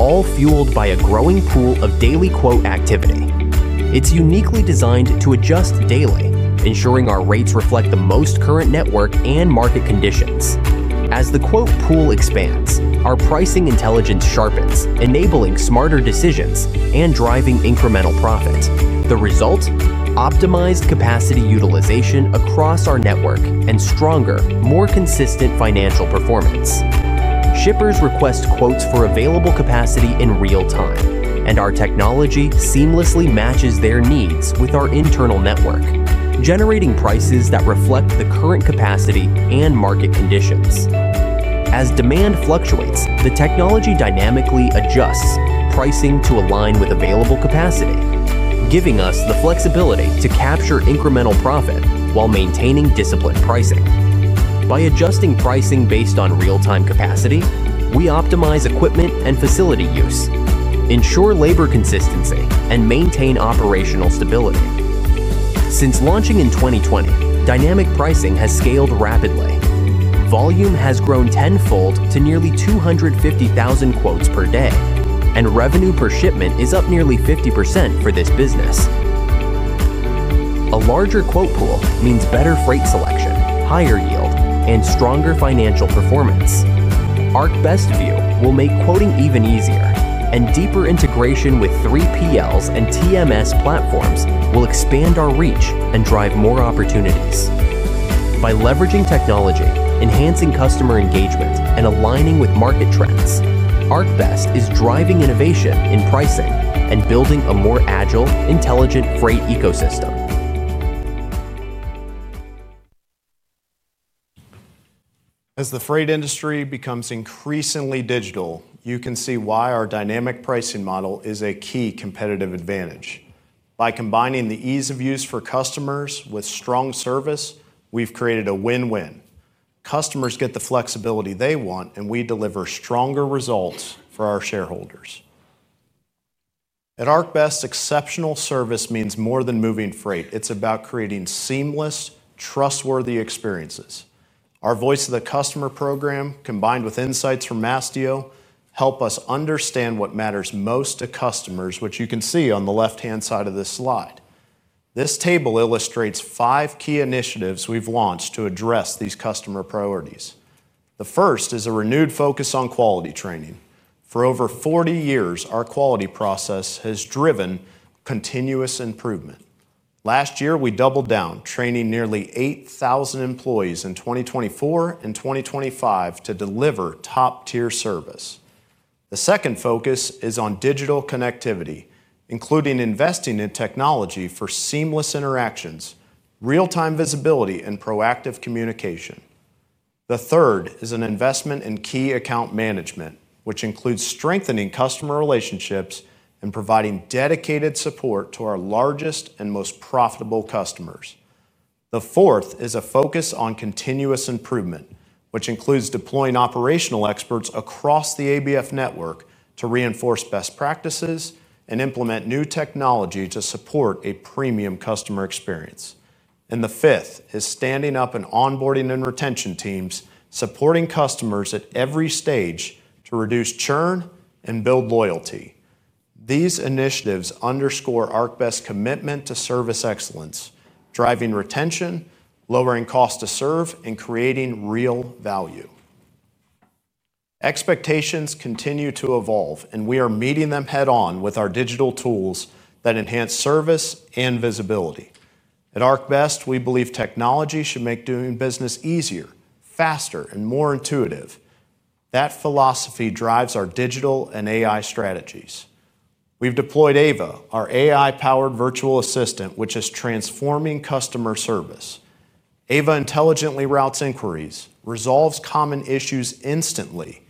all fueled by a growing pool of daily quote activity. It is uniquely designed to adjust daily, ensuring our rates reflect the most current network and market conditions. As the quote pool expands, our pricing intelligence sharpens, enabling smarter decisions and driving incremental profit. The result? Optimized capacity utilization across our network and stronger, more consistent financial performance. Shippers request quotes for available capacity in real time, and our technology seamlessly matches their needs with our internal network, generating prices that reflect the current capacity and market conditions. As demand fluctuates, the technology dynamically adjusts pricing to align with available capacity, giving us the flexibility to capture incremental profit while maintaining disciplined pricing. By adjusting pricing based on real-time capacity, we optimize equipment and facility use, ensure labor consistency, and maintain operational stability. Since launching in 2020, dynamic pricing has scaled rapidly. Volume has grown tenfold to nearly 250,000 quotes per day, and revenue per shipment is up nearly 50% for this business. A larger quote pool means better freight selection, higher yield, and stronger financial performance. ArcBest View will make quoting even easier, and deeper integration with 3PLs and TMS platforms will expand our reach and drive more opportunities. By leveraging technology, enhancing customer engagement, and aligning with market trends, ArcBest is driving innovation in pricing and building a more agile, intelligent freight ecosystem. As the freight industry becomes increasingly digital, you can see why our dynamic pricing model is a key competitive advantage. By combining the ease of use for customers with strong service, we've created a win-win. Customers get the flexibility they want, and we deliver stronger results for our shareholders. At ArcBest, exceptional service means more than moving freight, it's about creating seamless, trustworthy experiences. Our Voice of the Customer program, combined with insights from Mastio, help us understand what matters most to customers, which you can see on the left-hand side of this slide. This table illustrates five key initiatives we've launched to address these customer priorities. The first is a renewed focus on quality training. For over 40 years, our quality process has driven continuous improvement. Last year, we doubled down, training nearly 8,000 employees in 2024 and 2025 to deliver top-tier service. The second focus is on digital connectivity, including investing in technology for seamless interactions, real-time visibility, and proactive communication. The third is an investment in key account management, which includes strengthening customer relationships and providing dedicated support to our largest and most profitable customers. The fourth is a focus on continuous improvement, which includes deploying operational experts across the ABF Freight network to reinforce best practices and implement new technology to support a premium customer experience. The fifth is standing up an onboarding and retention team, supporting customers at every stage to reduce churn and build loyalty. These initiatives underscore ArcBest's commitment to service excellence, driving retention, lowering costs to serve, and creating real value. Expectations continue to evolve, and we are meeting them head-on with our digital tools that enhance service and visibility. At ArcBest, we believe technology should make doing business easier, faster, and more intuitive. That philosophy drives our digital and AI strategies. We've deployed AVA, our AI-powered virtual assistant, which is transforming customer service. AVA intelligently routes inquiries, resolves common issues instantly,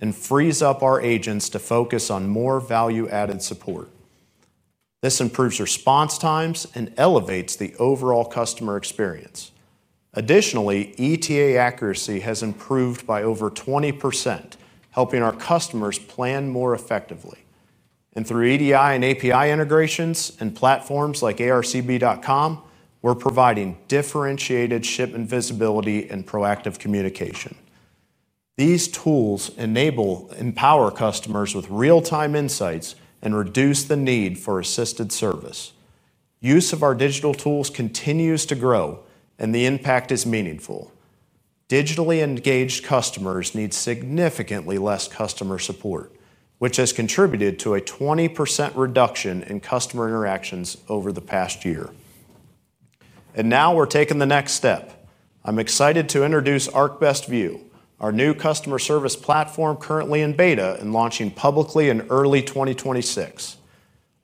and frees up our agents to focus on more value-added support. This improves response times and elevates the overall customer experience. Additionally, ETA accuracy has improved by over 20%, helping our customers plan more effectively. Through EDI and API integrations and platforms like ARCB.com, we're providing differentiated shipment visibility and proactive communication. These tools enable and empower customers with real-time insights and reduce the need for assisted service. Use of our digital tools continues to grow, and the impact is meaningful. Digitally engaged customers need significantly less customer support, which has contributed to a 20% reduction in customer interactions over the past year. Now we're taking the next step. I'm excited to introduce ArcBest View, our new customer service platform currently in beta and launching publicly in early 2026.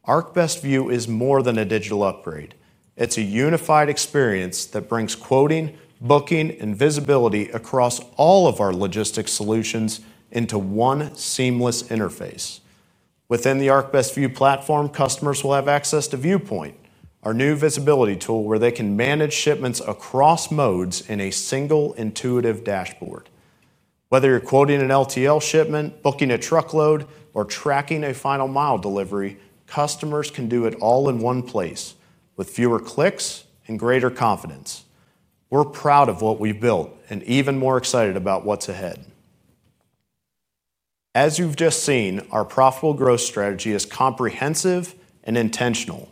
ArcBest View is more than a digital upgrade. It's a unified experience that brings quoting, booking, and visibility across all of our logistics solutions into one seamless interface. Within the ArcBest View platform, customers will have access to ViewPoint, our new visibility tool where they can manage shipments across modes in a single, intuitive dashboard. Whether you're quoting an LTL shipment, booking a truckload, or tracking a final mile delivery, customers can do it all in one place with fewer clicks and greater confidence. We're proud of what we've built and even more excited about what's ahead. As you've just seen, our profitable growth strategy is comprehensive and intentional.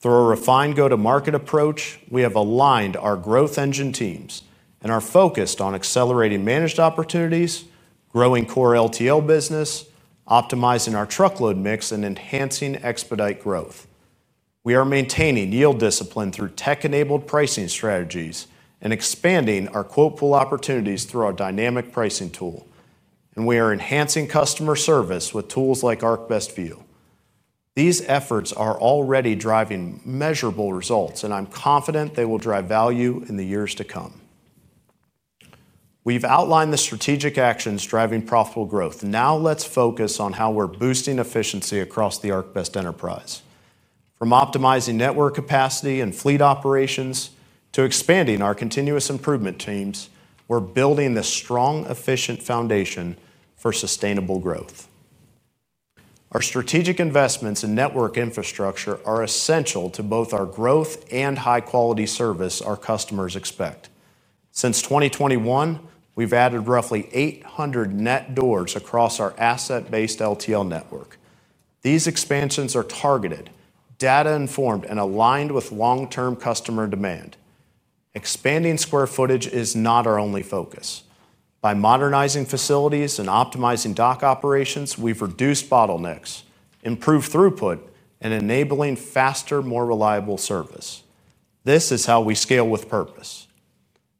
Through a refined go-to-market approach, we have aligned our growth engine teams and are focused on accelerating managed opportunities, growing core LTL business, optimizing our truckload mix, and enhancing Expedite growth. We are maintaining yield discipline through tech-enabled pricing strategies and expanding our quote pool opportunities through our dynamic pricing tool. We are enhancing customer service with tools like ArcBest View. These efforts are already driving measurable results, and I'm confident they will drive value in the years to come. We've outlined the strategic actions driving profitable growth. Now let's focus on how we're boosting efficiency across the ArcBest enterprise. From optimizing network capacity and fleet operations to expanding our continuous improvement teams, we're building a strong, efficient foundation for sustainable growth. Our strategic investments in network infrastructure are essential to both our growth and high-quality service our customers expect. Since 2021, we've added roughly 800 net doors across our asset-based LTL network. These expansions are targeted, data-informed, and aligned with long-term customer demand. Expanding square footage is not our only focus. By modernizing facilities and optimizing dock operations, we've reduced bottlenecks, improved throughput, and enabled faster, more reliable service. This is how we scale with purpose.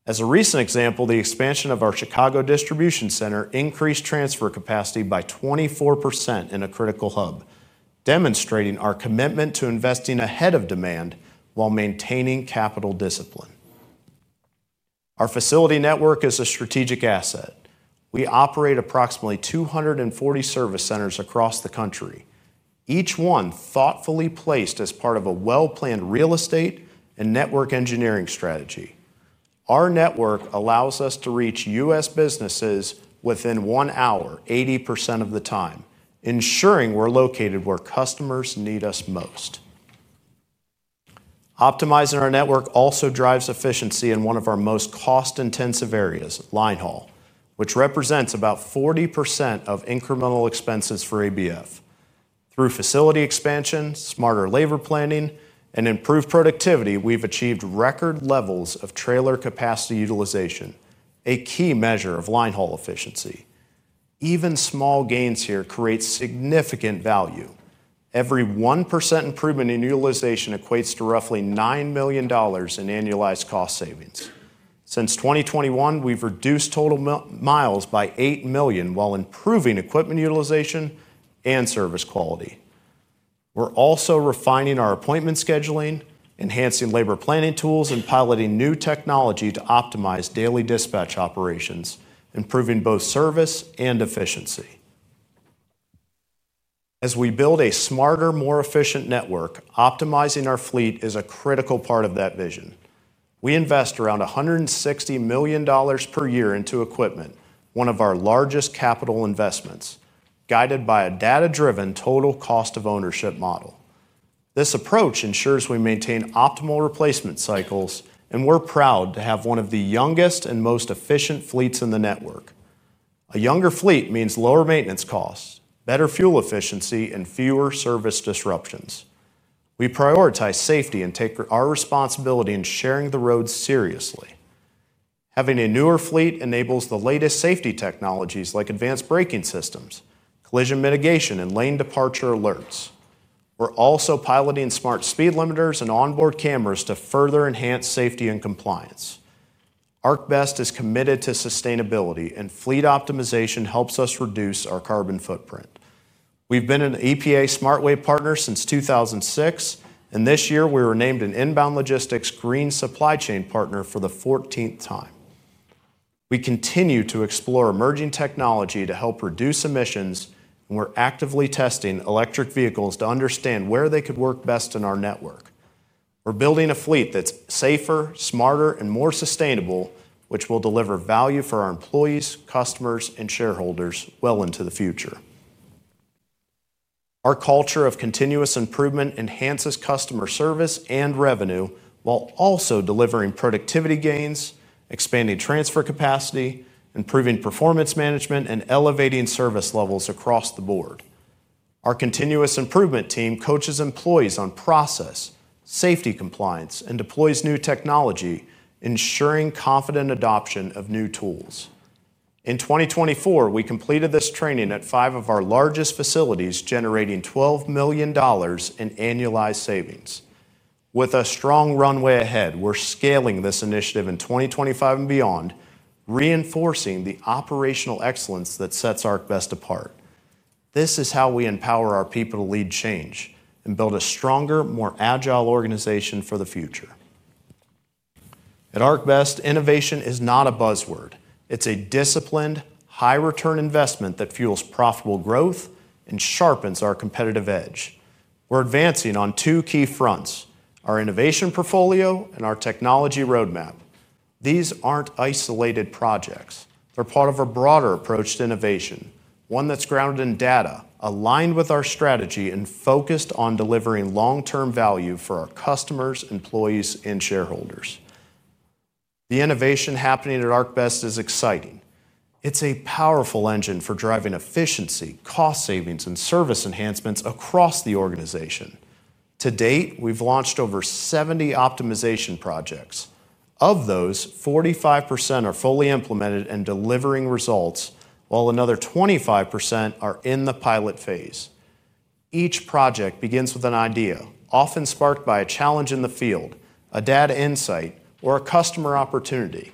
As a recent example, the expansion of our Chicago distribution center increased transfer capacity by 24% in a critical hub, demonstrating our commitment to investing ahead of demand while maintaining capital discipline. Our facility network is a strategic asset. We operate approximately 240 service centers across the country, each one thoughtfully placed as part of a well-planned real estate and network engineering strategy. Our network allows us to reach U.S. businesses within one hour, 80% of the time, ensuring we're located where customers need us most. Optimizing our network also drives efficiency in one of our most cost-intensive areas, line haul, which represents about 40% of incremental expenses for ABF Freight. Through facility expansion, smarter labor planning, and improved productivity, we've achieved record levels of trailer capacity utilization, a key measure of line haul efficiency. Even small gains here create significant value. Every 1% improvement in utilization equates to roughly $9 million in annualized cost savings. Since 2021, we've reduced total miles by 8 million while improving equipment utilization and service quality. We're also refining our appointment scheduling, enhancing labor planning tools, and piloting new technology to optimize daily dispatch operations, improving both service and efficiency. As we build a smarter, more efficient network, optimizing our fleet is a critical part of that vision. We invest around $160 million per year into equipment, one of our largest capital investments, guided by a data-driven total cost of ownership model. This approach ensures we maintain optimal replacement cycles, and we're proud to have one of the youngest and most efficient fleets in the network. A younger fleet means lower maintenance costs, better fuel efficiency, and fewer service disruptions. We prioritize safety and take our responsibility in sharing the roads seriously. Having a newer fleet enables the latest safety technologies like advanced braking systems, collision mitigation, and lane departure alerts. We're also piloting smart speed limiters and onboard cameras to further enhance safety and compliance. ArcBest is committed to sustainability, and fleet optimization helps us reduce our carbon footprint. We've been an EPA SmartWay partner since 2006, and this year we were named an Inbound Logistics Green Supply Chain Partner for the 14th time. We continue to explore emerging technology to help reduce emissions, and we're actively testing electric vehicles to understand where they could work best in our network. We're building a fleet that's safer, smarter, and more sustainable, which will deliver value for our employees, customers, and shareholders well into the future. Our culture of continuous improvement enhances customer service and revenue while also delivering productivity gains, expanding transfer capacity, improving performance management, and elevating service levels across the board. Our continuous improvement team coaches employees on process, safety compliance, and deploys new technology, ensuring confident adoption of new tools. In 2024, we completed this training at five of our largest facilities, generating $12 million in annualized savings. With a strong runway ahead, we're scaling this initiative in 2025 and beyond, reinforcing the operational excellence that sets ArcBest apart. This is how we empower our people to lead change and build a stronger, more agile organization for the future. At ArcBest, innovation is not a buzzword. It's a disciplined, high-return investment that fuels profitable growth and sharpens our competitive edge. We're advancing on two key fronts: our innovation portfolio and our technology roadmap. These aren't isolated projects. They're part of a broader approach to innovation, one that's grounded in data, aligned with our strategy, and focused on delivering long-term value for our customers, employees, and shareholders. The innovation happening at ArcBest is exciting. It's a powerful engine for driving efficiency, cost savings, and service enhancements across the organization. To date, we've launched over 70 optimization projects. Of those, 45% are fully implemented and delivering results, while another 25% are in the pilot phase. Each project begins with an idea, often sparked by a challenge in the field, a data insight, or a customer opportunity.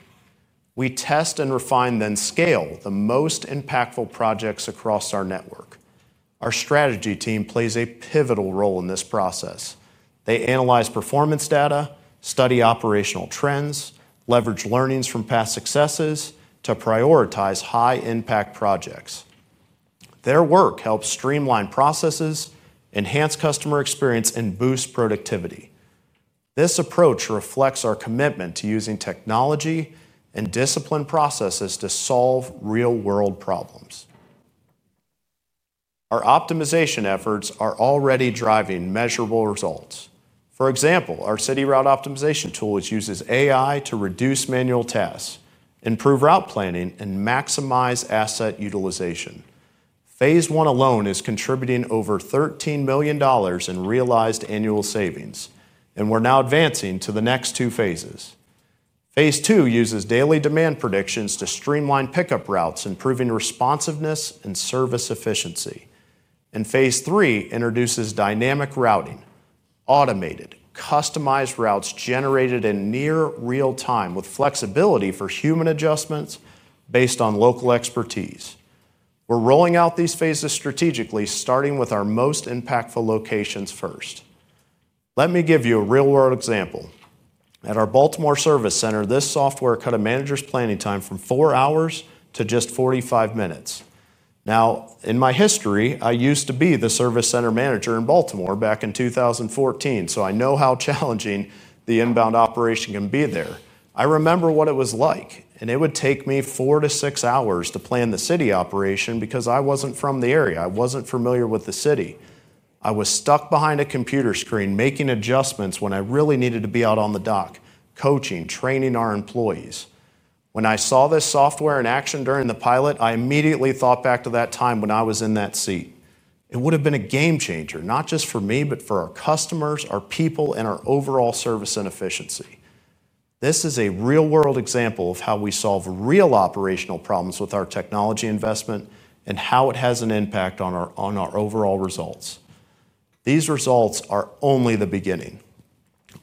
We test and refine, then scale the most impactful projects across our network. Our strategy team plays a pivotal role in this process. They analyze performance data, study operational trends, leverage learnings from past successes to prioritize high-impact projects. Their work helps streamline processes, enhance customer experience, and boost productivity. This approach reflects our commitment to using technology and disciplined processes to solve real-world problems. Our optimization efforts are already driving measurable results. For example, our city route optimization tool uses AI to reduce manual tasks, improve route planning, and maximize asset utilization. Phase one alone is contributing over $13 million in realized annual savings, and we're now advancing to the next two phases. Phase two uses daily demand predictions to streamline pickup routes, improving responsiveness and service efficiency. Phase three introduces dynamic routing, automated, customized routes generated in near real time with flexibility for human adjustments based on local expertise. We're rolling out these phases strategically, starting with our most impactful locations first. Let me give you a real-world example. At our Baltimore service center, this software cut a manager's planning time from four hours to just 45 minutes. In my history, I used to be the Service Center Manager in Baltimore back in 2014, so I know how challenging the inbound operation can be there. I remember what it was like, and it would take me four to six hours to plan the city operation because I wasn't from the area. I wasn't familiar with the city. I was stuck behind a computer screen, making adjustments when I really needed to be out on the dock, coaching, training our employees. When I saw this software in action during the pilot, I immediately thought back to that time when I was in that seat. It would have been a game changer, not just for me, but for our customers, our people, and our overall service and efficiency. This is a real-world example of how we solve real operational problems with our technology investment and how it has an impact on our overall results. These results are only the beginning.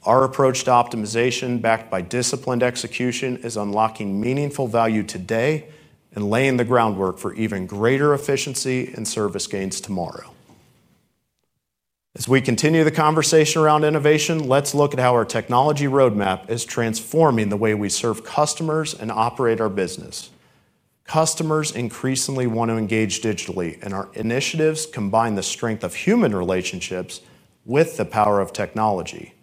Our approach to optimization, backed by disciplined execution, is unlocking meaningful value today and laying the groundwork for even greater efficiency and service gains tomorrow. As we continue the conversation around innovation, let's look at how our technology roadmap is transforming the way we serve customers and operate our business. Customers increasingly want to engage digitally, and our initiatives combine the strength of human relationships with the power of technology.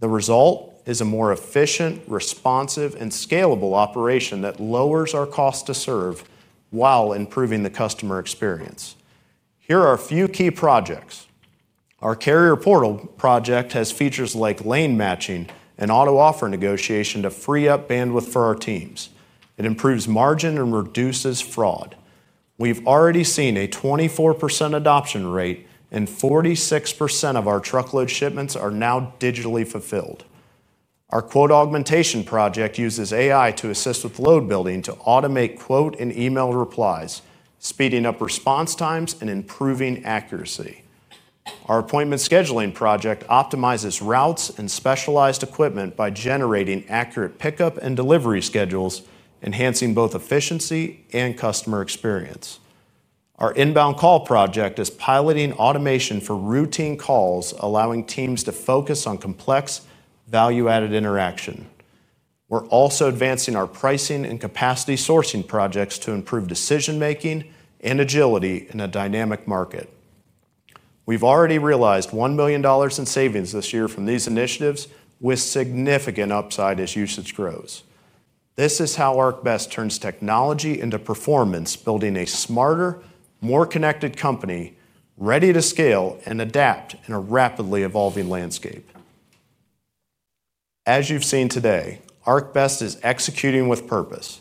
The result is a more efficient, responsive, and scalable operation that lowers our cost to serve while improving the customer experience. Here are a few key projects. Our carrier portal project has features like lane matching and auto-offer negotiation to free up bandwidth for our teams. It improves margin and reduces fraud. We've already seen a 24% adoption rate, and 46% of our truckload shipments are now digitally fulfilled. Our quote augmentation project uses AI to assist with load building to automate quote and email replies, speeding up response times and improving accuracy. Our appointment scheduling project optimizes routes and specialized equipment by generating accurate pickup and delivery schedules, enhancing both efficiency and customer experience. Our inbound call project is piloting automation for routine calls, allowing teams to focus on complex value-added interaction. We're also advancing our pricing and capacity sourcing projects to improve decision-making and agility in a dynamic market. We've already realized $1 million in savings this year from these initiatives, with significant upside as usage grows. This is how ArcBest turns technology into performance, building a smarter, more connected company, ready to scale and adapt in a rapidly evolving landscape. As you've seen today, ArcBest is executing with purpose,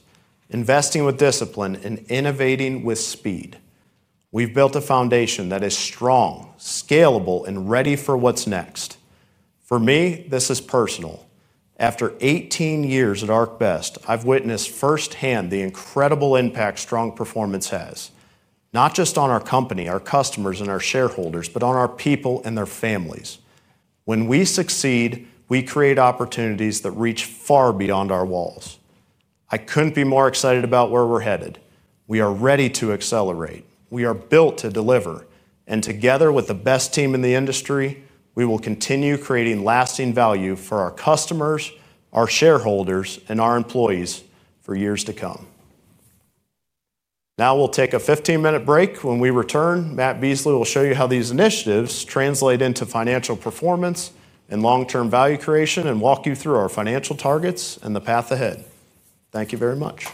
investing with discipline, and innovating with speed. We've built a foundation that is strong, scalable, and ready for what's next. For me, this is personal. After 18 years at ArcBest, I've witnessed firsthand the incredible impact strong performance has, not just on our company, our customers, and our shareholders, but on our people and their families. When we succeed, we create opportunities that reach far beyond our walls. I couldn't be more excited about where we're headed. We are ready to accelerate. We are built to deliver. Together with the best team in the industry, we will continue creating lasting value for our customers, our shareholders, and our employees for years to come. Now we'll take a 15-minute break. When we return, Matt Beasley will show you how these initiatives translate into financial performance and long-term value creation and walk you through our financial targets and the path ahead. Thank you very much.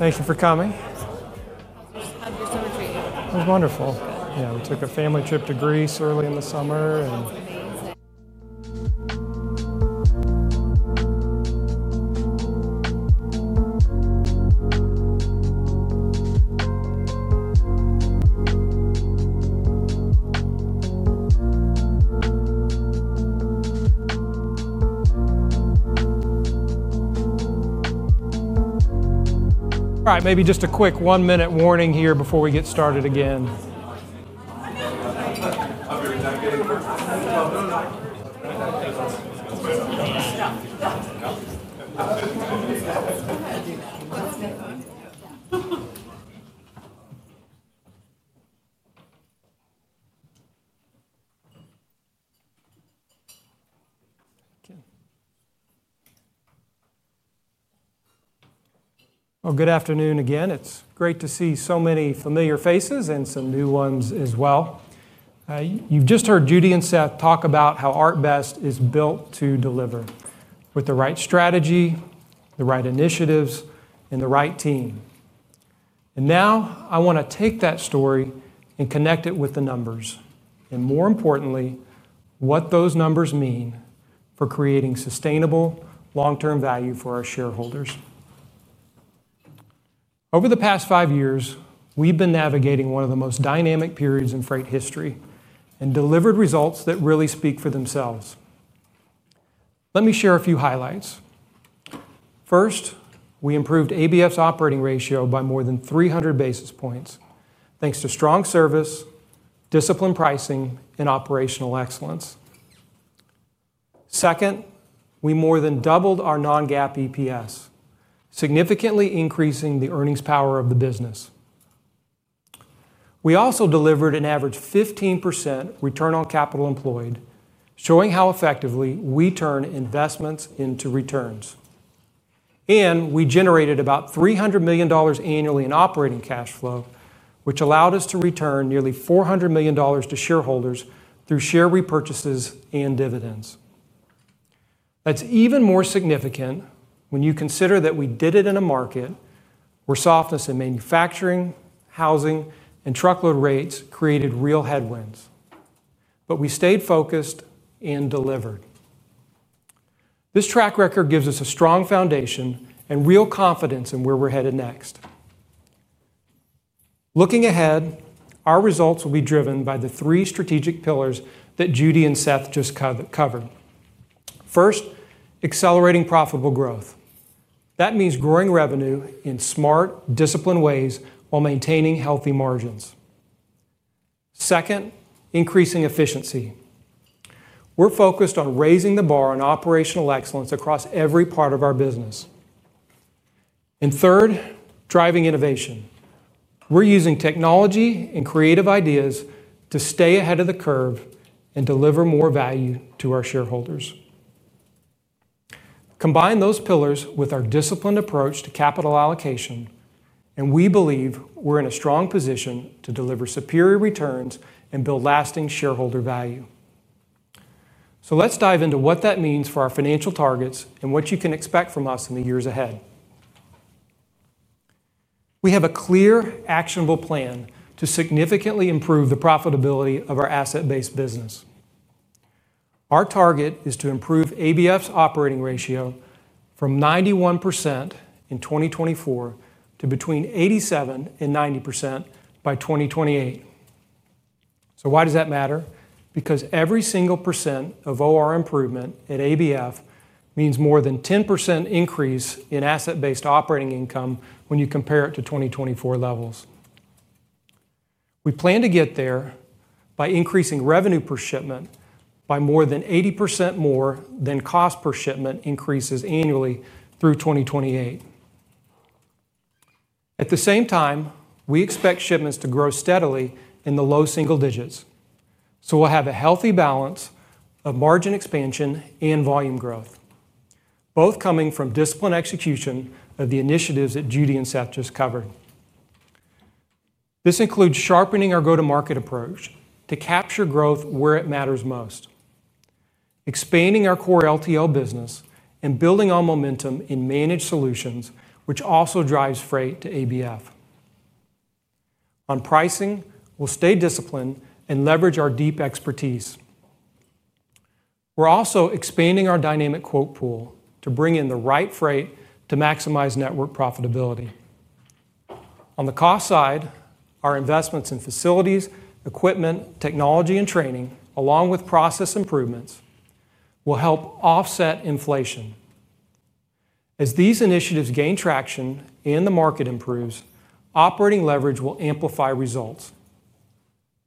How are you? Thank you for coming. I'm glad to see you. How did your summer treat you? It was wonderful. Yeah, we took a family trip to Greece early in the summer. Amazing. All right, maybe just a quick one-minute warning here before we get started again. Oh, good afternoon again. It's great to see so many familiar faces and some new ones as well. You've just heard Judy and Seth talk about how ArcBest is built to deliver with the right strategy, the right initiatives, and the right team. I want to take that story and connect it with the numbers, and more importantly, what those numbers mean for creating sustainable long-term value for our shareholders. Over the past five years, we've been navigating one of the most dynamic periods in freight history and delivered results that really speak for themselves. Let me share a few highlights. First, we improved ABF Freight's operating ratio by more than 300 basis points, thanks to strong service, disciplined pricing, and operational excellence. Second, we more than doubled our non-GAAP EPS, significantly increasing the earnings power of the business. We also delivered an average 15% return on capital employed, showing how effectively we turn investments into returns. We generated about $300 million annually in operating cash flow, which allowed us to return nearly $400 million to shareholders through share repurchases and dividends. That's even more significant when you consider that we did it in a market where softness in manufacturing, housing, and truckload rates created real headwinds. We stayed focused and delivered. This track record gives us a strong foundation and real confidence in where we're headed next. Looking ahead, our results will be driven by the three strategic pillars that Judy and Seth just covered. First, accelerating profitable growth. That means growing revenue in smart, disciplined ways while maintaining healthy margins. Second, increasing efficiency. We're focused on raising the bar on operational excellence across every part of our business. Third, driving innovation. We're using technology and creative ideas to stay ahead of the curve and deliver more value to our shareholders. Combine those pillars with our disciplined approach to capital allocation, and we believe we're in a strong position to deliver superior returns and build lasting shareholder value. Let's dive into what that means for our financial targets and what you can expect from us in the years ahead. We have a clear, actionable plan to significantly improve the profitability of our asset-based business. Our target is to improve ABF Freight's operating ratio from 91% in 2024 to between 87% and 90% by 2028. Why does that matter? Every single percent of operating ratio improvement at ABF Freight means more than a 10% increase in asset-based operating income when you compare it to 2024 levels. We plan to get there by increasing revenue per shipment by more than 80% more than cost per shipment increases annually through 2028. At the same time, we expect shipments to grow steadily in the low single digits. We will have a healthy balance of margin expansion and volume growth, both coming from disciplined execution of the initiatives that Judy McReynolds and Seth Runser just covered. This includes sharpening our go-to-market approach to capture growth where it matters most, expanding our core less-than-truckload (LTL) business, and building on momentum in managed solutions, which also drives freight to ABF Freight. On pricing, we will stay disciplined and leverage our deep expertise. We are also expanding our dynamic quote pool to bring in the right freight to maximize network profitability. On the cost side, our investments in facilities, equipment, technology, and training, along with process improvements, will help offset inflation. As these initiatives gain traction and the market improves, operating leverage will amplify results.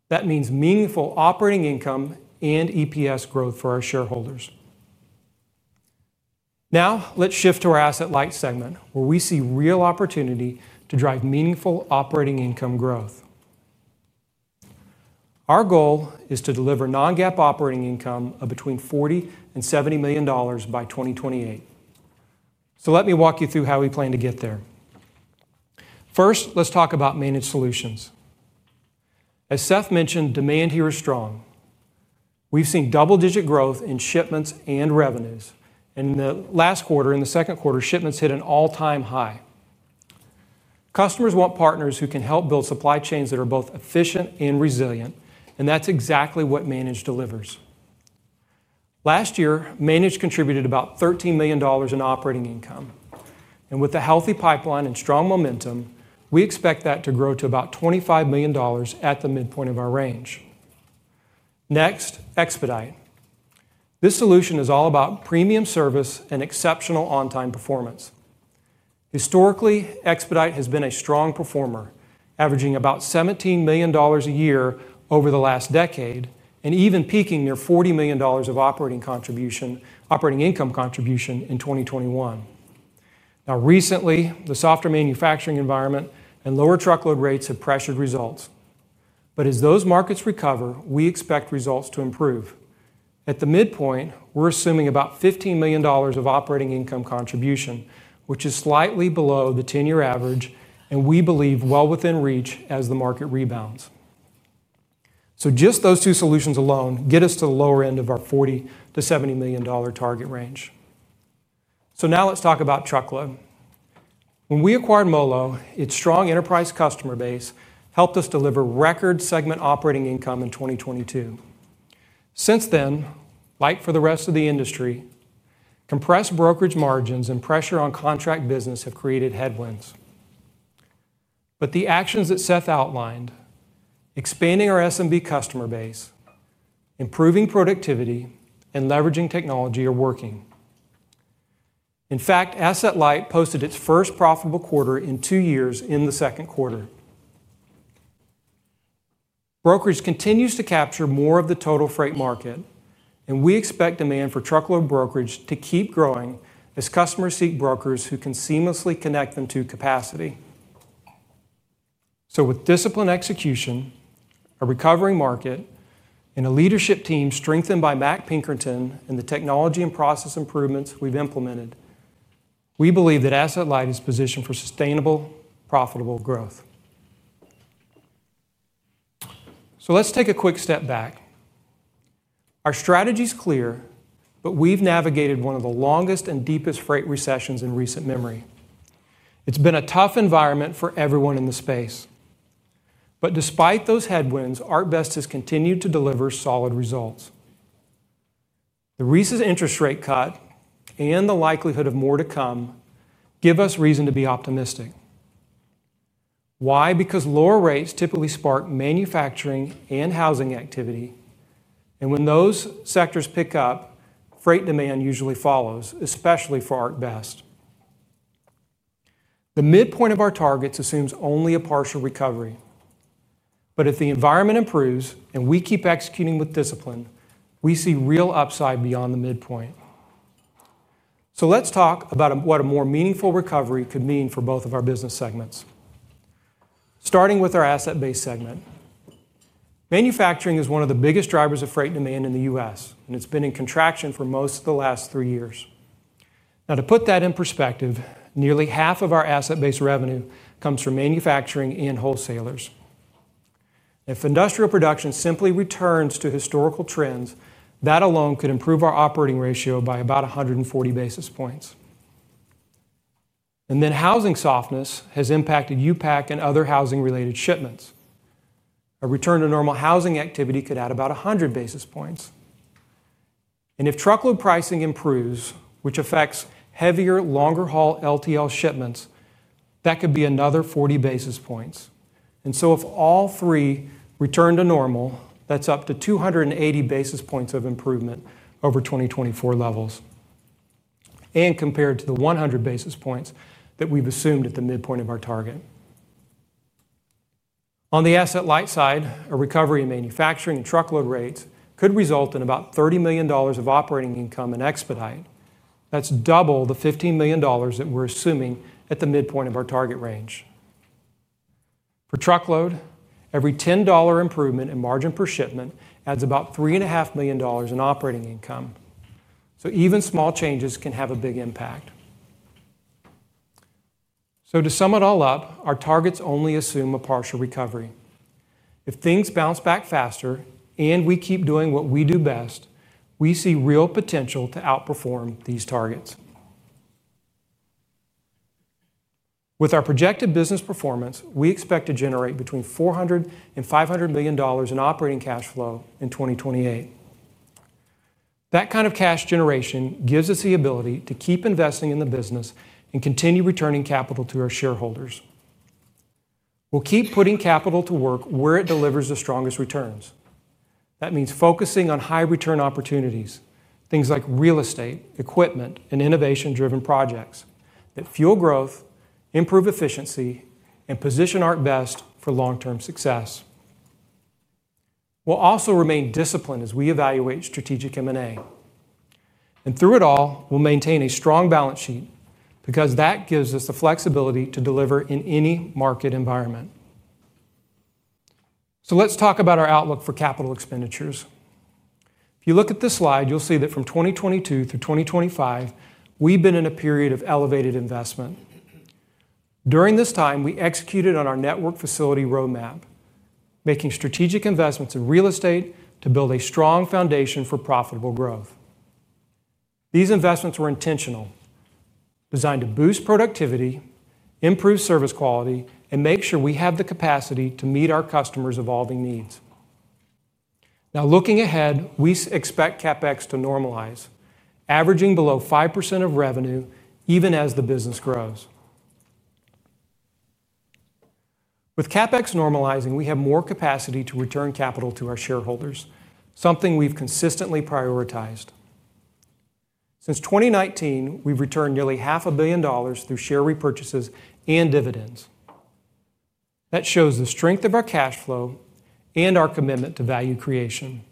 That means meaningful operating income and EPS growth for our shareholders. Now let's shift to our asset-light segment, where we see real opportunity to drive meaningful operating income growth. Our goal is to deliver non-GAAP operating income of between $40 million and $70 million by 2028. Let me walk you through how we plan to get there. First, let's talk about managed solutions. As Seth Runser mentioned, demand here is strong. We've seen double-digit growth in shipments and revenues. In the last quarter, in the second quarter, shipments hit an all-time high. Customers want partners who can help build supply chains that are both efficient and resilient, and that's exactly what managed delivers. Last year, managed contributed about $13 million in operating income. With a healthy pipeline and strong momentum, we expect that to grow to about $25 million at the midpoint of our range. Next, Expedite. This solution is all about premium service and exceptional on-time performance. Historically, Expedite has been a strong performer, averaging about $17 million a year over the last decade and even peaking near $40 million of operating income contribution in 2021. Now, recently, the softer manufacturing environment and lower truckload rates have pressured results. As those markets recover, we expect results to improve. At the midpoint, we're assuming about $15 million of operating income contribution, which is slightly below the 10-year average, and we believe well within reach as the market rebounds. Just those two solutions alone get us to the lower end of our $40 million to $70 million target range. Now let's talk about truckload. When we acquired MOLO, its strong enterprise customer base helped us deliver record segment operating income in 2022. Since then, like for the rest of the industry, compressed brokerage margins and pressure on contract business have created headwinds. The actions that Seth outlined, expanding our SMB customer base, improving productivity, and leveraging technology, are working. In fact, Asset Light posted its first profitable quarter in two years in the second quarter. Brokerage continues to capture more of the total freight market, and we expect demand for truckload brokerage to keep growing as customers seek brokers who can seamlessly connect them to capacity. With disciplined execution, a recovering market, and a leadership team strengthened by Matt Pinkerton and the technology and process improvements we've implemented, we believe that Asset Light is positioned for sustainable, profitable growth. Let's take a quick step back. Our strategy is clear, but we've navigated one of the longest and deepest freight recessions in recent memory. It's been a tough environment for everyone in the space. Despite those headwinds, ArcBest has continued to deliver solid results. The recent interest rate cut and the likelihood of more to come give us reason to be optimistic. Why? Because lower rates typically spark manufacturing and housing activity. When those sectors pick up, freight demand usually follows, especially for ArcBest. The midpoint of our targets assumes only a partial recovery. If the environment improves and we keep executing with discipline, we see real upside beyond the midpoint. Let's talk about what a more meaningful recovery could mean for both of our business segments. Starting with our asset-based segment, manufacturing is one of the biggest drivers of freight demand in the U.S., and it's been in contraction for most of the last three years. Now, to put that in perspective, nearly half of our asset-based revenue comes from manufacturing and wholesalers. If industrial production simply returns to historical trends, that alone could improve our operating ratio by about 140 basis points. Housing softness has impacted UPAC and other housing-related shipments. A return to normal housing activity could add about 100 basis points. If truckload pricing improves, which affects heavier, longer-haul less-than-truckload (LTL) shipments, that could be another 40 basis points. If all three return to normal, that's up to 280 basis points of improvement over 2024 levels, compared to the 100 basis points that we've assumed at the midpoint of our target. On the asset-light side, a recovery in manufacturing and truckload rates could result in about $30 million of operating income in Expedite. That's double the $15 million that we're assuming at the midpoint of our target range. For truckload, every $10 improvement in margin per shipment adds about $3.5 million in operating income. Even small changes can have a big impact. To sum it all up, our targets only assume a partial recovery. If things bounce back faster and we keep doing what we do best, we see real potential to outperform these targets. With our projected business performance, we expect to generate between $400 million and $500 million in operating cash flow in 2028. That kind of cash generation gives us the ability to keep investing in the business and continue returning capital to our shareholders. We'll keep putting capital to work where it delivers the strongest returns. That means focusing on high-return opportunities, things like real estate, equipment, and innovation-driven projects that fuel growth, improve efficiency, and position ArcBest for long-term success. We'll also remain disciplined as we evaluate strategic M&A. Through it all, we'll maintain a strong balance sheet because that gives us the flexibility to deliver in any market environment. Let's talk about our outlook for capital expenditures. If you look at this slide, you'll see that from 2022 through 2025, we've been in a period of elevated investment. During this time, we executed on our network facility roadmap, making strategic investments in real estate to build a strong foundation for profitable growth. These investments were intentional, designed to boost productivity, improve service quality, and make sure we have the capacity to meet our customers' evolving needs. Now, looking ahead, we expect CapEx to normalize, averaging below 5% of revenue, even as the business grows. With CapEx normalizing, we have more capacity to return capital to our shareholders, something we've consistently prioritized. Since 2019, we've returned nearly half a billion dollars through share repurchases and dividends. That shows the strength of our cash flow and our commitment to value creation.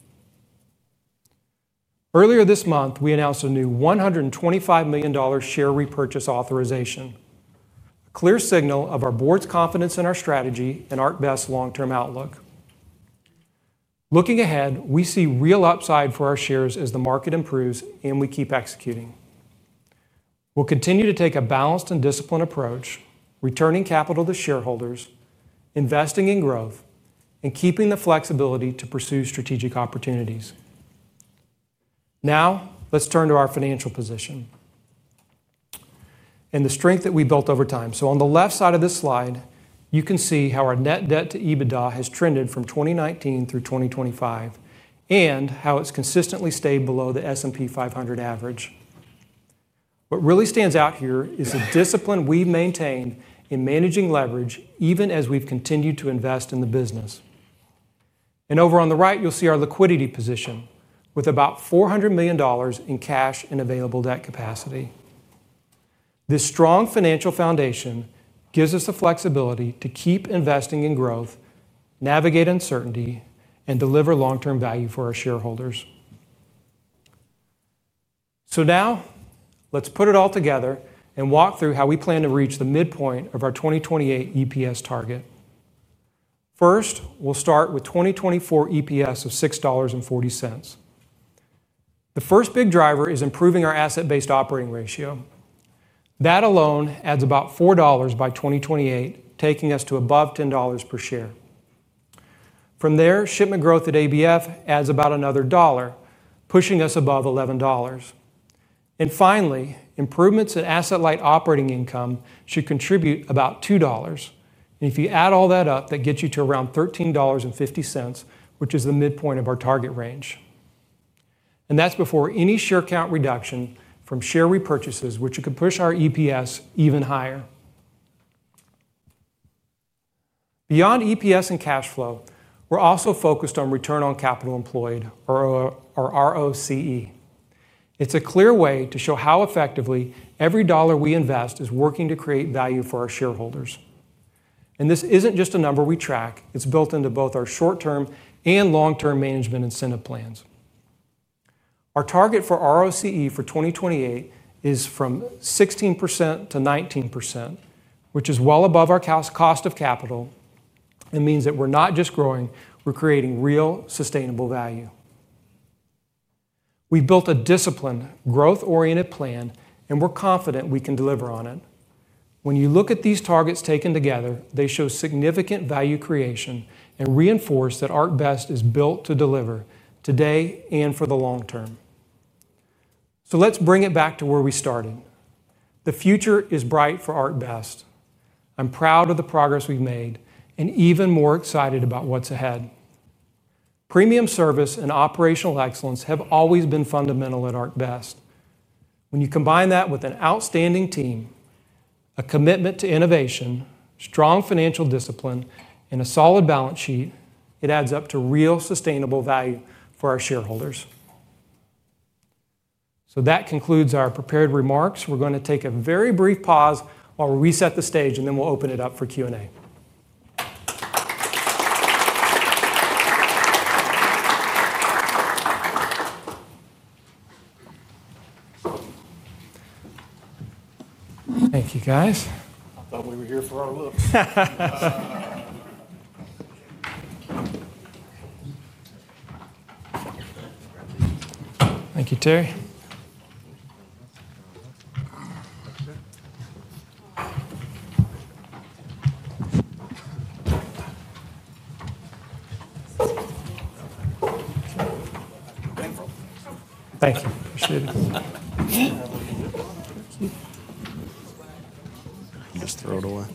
Earlier this month, we announced a new $125 million share repurchase authorization, a clear signal of our board's confidence in our strategy and ArcBest's long-term outlook. Looking ahead, we see real upside for our shares as the market improves and we keep executing. We'll continue to take a balanced and disciplined approach, returning capital to shareholders, investing in growth, and keeping the flexibility to pursue strategic opportunities. Now, let's turn to our financial position and the strength that we've built over time. On the left side of this slide, you can see how our net debt to EBITDA has trended from 2019 through 2025 and how it's consistently stayed below the S&P 500 average. What really stands out here is the discipline we've maintained in managing leverage, even as we've continued to invest in the business. Over on the right, you'll see our liquidity position with about $400 million in cash and available debt capacity. This strong financial foundation gives us the flexibility to keep investing in growth, navigate uncertainty, and deliver long-term value for our shareholders. Now, let's put it all together and walk through how we plan to reach the midpoint of our 2028 EPS target. First, we'll start with 2024 EPS of $6.40. The first big driver is improving our asset-based operating ratio. That alone adds about $4 by 2028, taking us to above $10 per share. From there, shipment growth at ABF Freight adds about another dollar, pushing us above $11. Finally, improvements in asset-light operating income should contribute about $2. If you add all that up, that gets you to around $13.50, which is the midpoint of our target range. That's before any share count reduction from share repurchases, which could push our EPS even higher. Beyond EPS and cash flow, we're also focused on return on capital employed, or ROCE. It's a clear way to show how effectively every dollar we invest is working to create value for our shareholders. This isn't just a number we track, it's built into both our short-term and long-term management incentive plans. Our target for ROCE for 2028 is from 16% to 19%, which is well above our cost of capital. It means that we're not just growing, we're creating real, sustainable value. We've built a disciplined, growth-oriented plan, and we're confident we can deliver on it. When you look at these targets taken together, they show significant value creation and reinforce that ArcBest is built to deliver today and for the long term. Let's bring it back to where we started. The future is bright for ArcBest. I'm proud of the progress we've made and even more excited about what's ahead. Premium service and operational excellence have always been fundamental at ArcBest. When you combine that with an outstanding team, a commitment to innovation, strong financial discipline, and a solid balance sheet, it adds up to real, sustainable value for our shareholders. That concludes our prepared remarks. We're going to take a very brief pause while we reset the stage, and then we'll open it up for Q&A. Thank you, guys. I thought we were here for ArcBest's outlook. Thank you, Terry. Thank you. You just throw it away.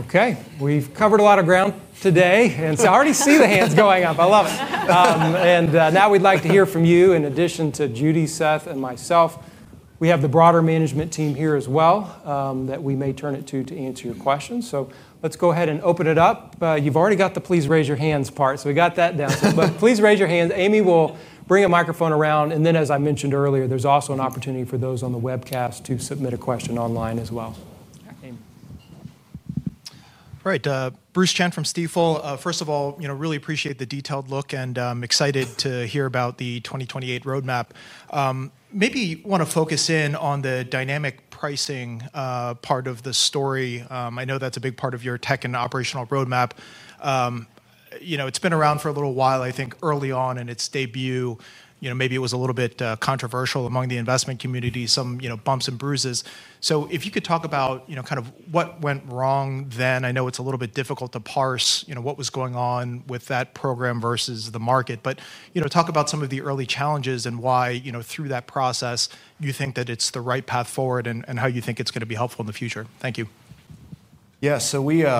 Okay, we've covered a lot of ground today. I already see the hands going up. I love it. Now we'd like to hear from you. In addition to Judy, Seth, and myself, we have the broader management team here as well that we may turn it to to answer your questions. Let's go ahead and open it up. You've already got the please raise your hands part, so we got that down. Please raise your hands. Amy will bring a microphone around. As I mentioned earlier, there's also an opportunity for those on the webcast to submit a question online as well. Amy. All right. Bruce Chen from Stifel. First of all, really appreciate the detailed look and I'm excited to hear about the 2028 roadmap. Maybe you want to focus in on the dynamic pricing part of the story. I know that's a big part of your tech and operational roadmap. It's been around for a little while, I think, early on in its debut. Maybe it was a little bit controversial among the investment community, some bumps and bruises. If you could talk about what went wrong then, I know it's a little bit difficult to parse what was going on with that program versus the market. Talk about some of the early challenges and why, through that process, you think that it's the right path forward and how you think it's going to be helpful in the future. Thank you. Yeah,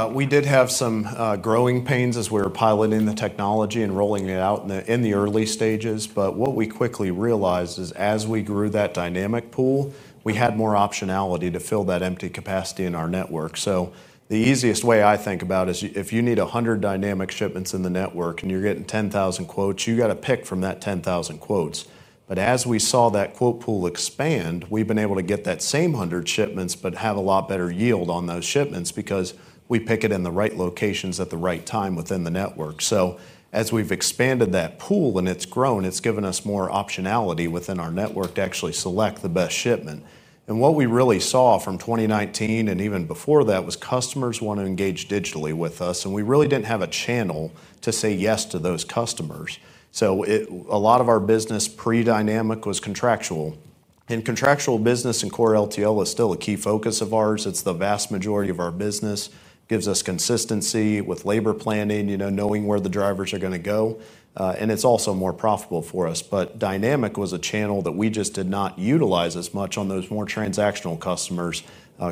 we did have some growing pains as we were piloting the technology and rolling it out in the early stages. What we quickly realized is as we grew that dynamic pool, we had more optionality to fill that empty capacity in our network. The easiest way I think about it is if you need 100 dynamic shipments in the network and you're getting 10,000 quotes, you get to pick from that 10,000 quotes. As we saw that quote pool expand, we've been able to get that same 100 shipments but have a lot better yield on those shipments because we pick it in the right locations at the right time within the network. As we've expanded that pool and it's grown, it's given us more optionality within our network to actually select the best shipment. What we really saw from 2019 and even before that was customers want to engage digitally with us, and we really didn't have a channel to say yes to those customers. A lot of our business pre-dynamic was contractual. Contractual business and core less-than-truckload (LTL) is still a key focus of ours. It's the vast majority of our business. It gives us consistency with labor planning, knowing where the drivers are going to go. It's also more profitable for us. Dynamic was a channel that we just did not utilize as much on those more transactional customers,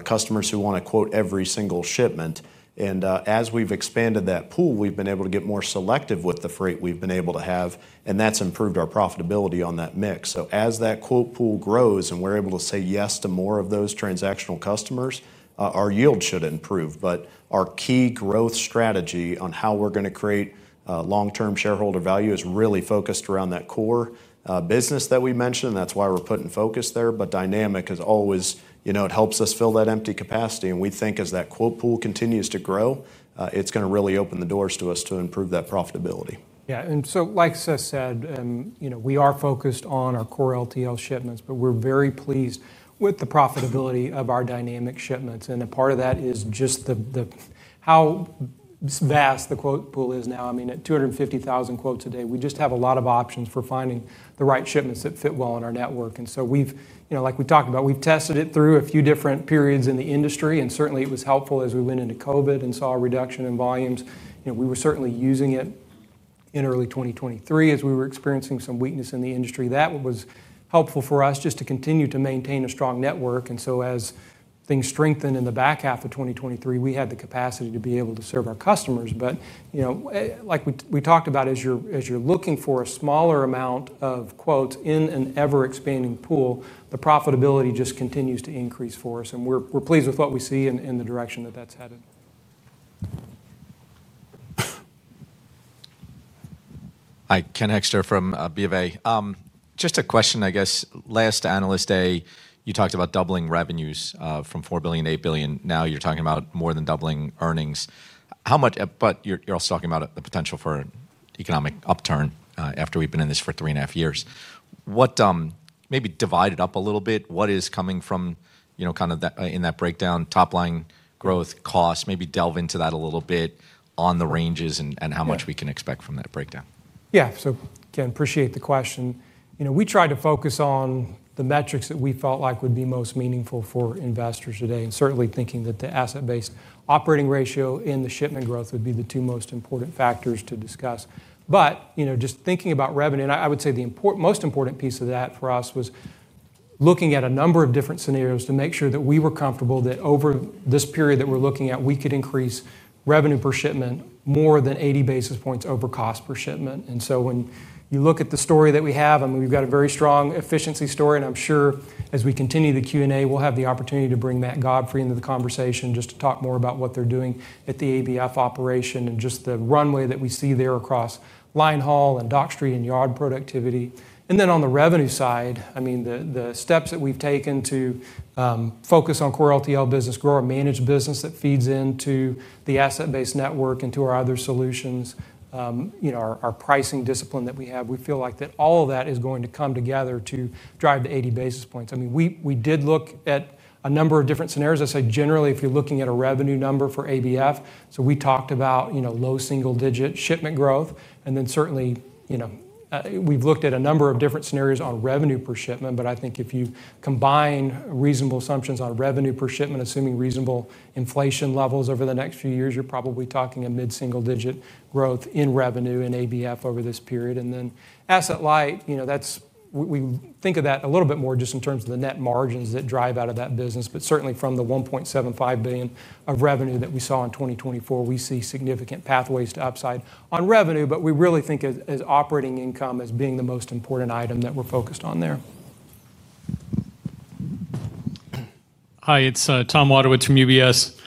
customers who want to quote every single shipment. As we've expanded that pool, we've been able to get more selective with the freight we've been able to have, and that's improved our profitability on that mix. As that quote pool grows and we're able to say yes to more of those transactional customers, our yield should improve. Our key growth strategy on how we're going to create long-term shareholder value is really focused around that core business that we mentioned. That's why we're putting focus there. Dynamic is always, you know, it helps us fill that empty capacity. We think as that quote pool continues to grow, it's going to really open the doors to us to improve that profitability. Yeah, and so like Seth said, you know, we are focused on our core less-than-truckload (LTL) shipments, but we're very pleased with the profitability of our dynamic shipments. A part of that is just how vast the quote pool is now. I mean, at 250,000 quotes a day, we just have a lot of options for finding the right shipments that fit well in our network. Like we talked about, we've tested it through a few different periods in the industry. It was helpful as we went into COVID and saw a reduction in volumes. We were certainly using it in early 2023 as we were experiencing some weakness in the industry. That was helpful for us just to continue to maintain a strong network. As things strengthened in the back half of 2023, we had the capacity to be able to serve our customers. Like we talked about, as you're looking for a smaller amount of quotes in an ever-expanding pool, the profitability just continues to increase for us. We're pleased with what we see and the direction that that's headed. Hi, Ken Hoexter from Bank of America. Just a question, I guess. Last Analyst Day, you talked about doubling revenues from $4 billion to $8 billion. Now you're talking about more than doubling earnings. How much, but you're also talking about the potential for economic upturn after we've been in this for three and a half years. What maybe divide it up a little bit. What is coming from, you know, kind of that in that breakdown, top line growth, cost, maybe delve into that a little bit on the ranges and how much we can expect from that breakdown. Yeah, so again, appreciate the question. We tried to focus on the metrics that we felt like would be most meaningful for investors today. Certainly thinking that the asset-based operating ratio and the shipment growth would be the two most important factors to discuss. Just thinking about revenue, I would say the most important piece of that for us was looking at a number of different scenarios to make sure that we were comfortable that over this period that we're looking at, we could increase revenue per shipment more than 80 basis points over cost per shipment. When you look at the story that we have, we've got a very strong efficiency story. I'm sure as we continue the Q&A, we'll have the opportunity to bring Matt Godfrey into the conversation just to talk more about what they're doing at the ABF Freight operation and just the runway that we see there across Linehaul and Dock Street and yard productivity. On the revenue side, the steps that we've taken to focus on core less-than-truckload (LTL) business, grow a managed business that feeds into the asset-based network and to our other solutions, our pricing discipline that we have, we feel like all of that is going to come together to drive the 80 basis points. We did look at a number of different scenarios. I say generally, if you're looking at a revenue number for ABF Freight, we talked about low single-digit shipment growth. Certainly, we've looked at a number of different scenarios on revenue per shipment. I think if you combine reasonable assumptions on revenue per shipment, assuming reasonable inflation levels over the next few years, you're probably talking a mid-single-digit growth in revenue in ABF Freight over this period. Asset Light, we think of that a little bit more just in terms of the net margins that drive out of that business. Certainly from the $1.75 billion of revenue that we saw in 2024, we see significant pathways to upside on revenue. We really think of operating income as being the most important item that we're focused on there. Hi, it's Tom Wadewitz from UBS.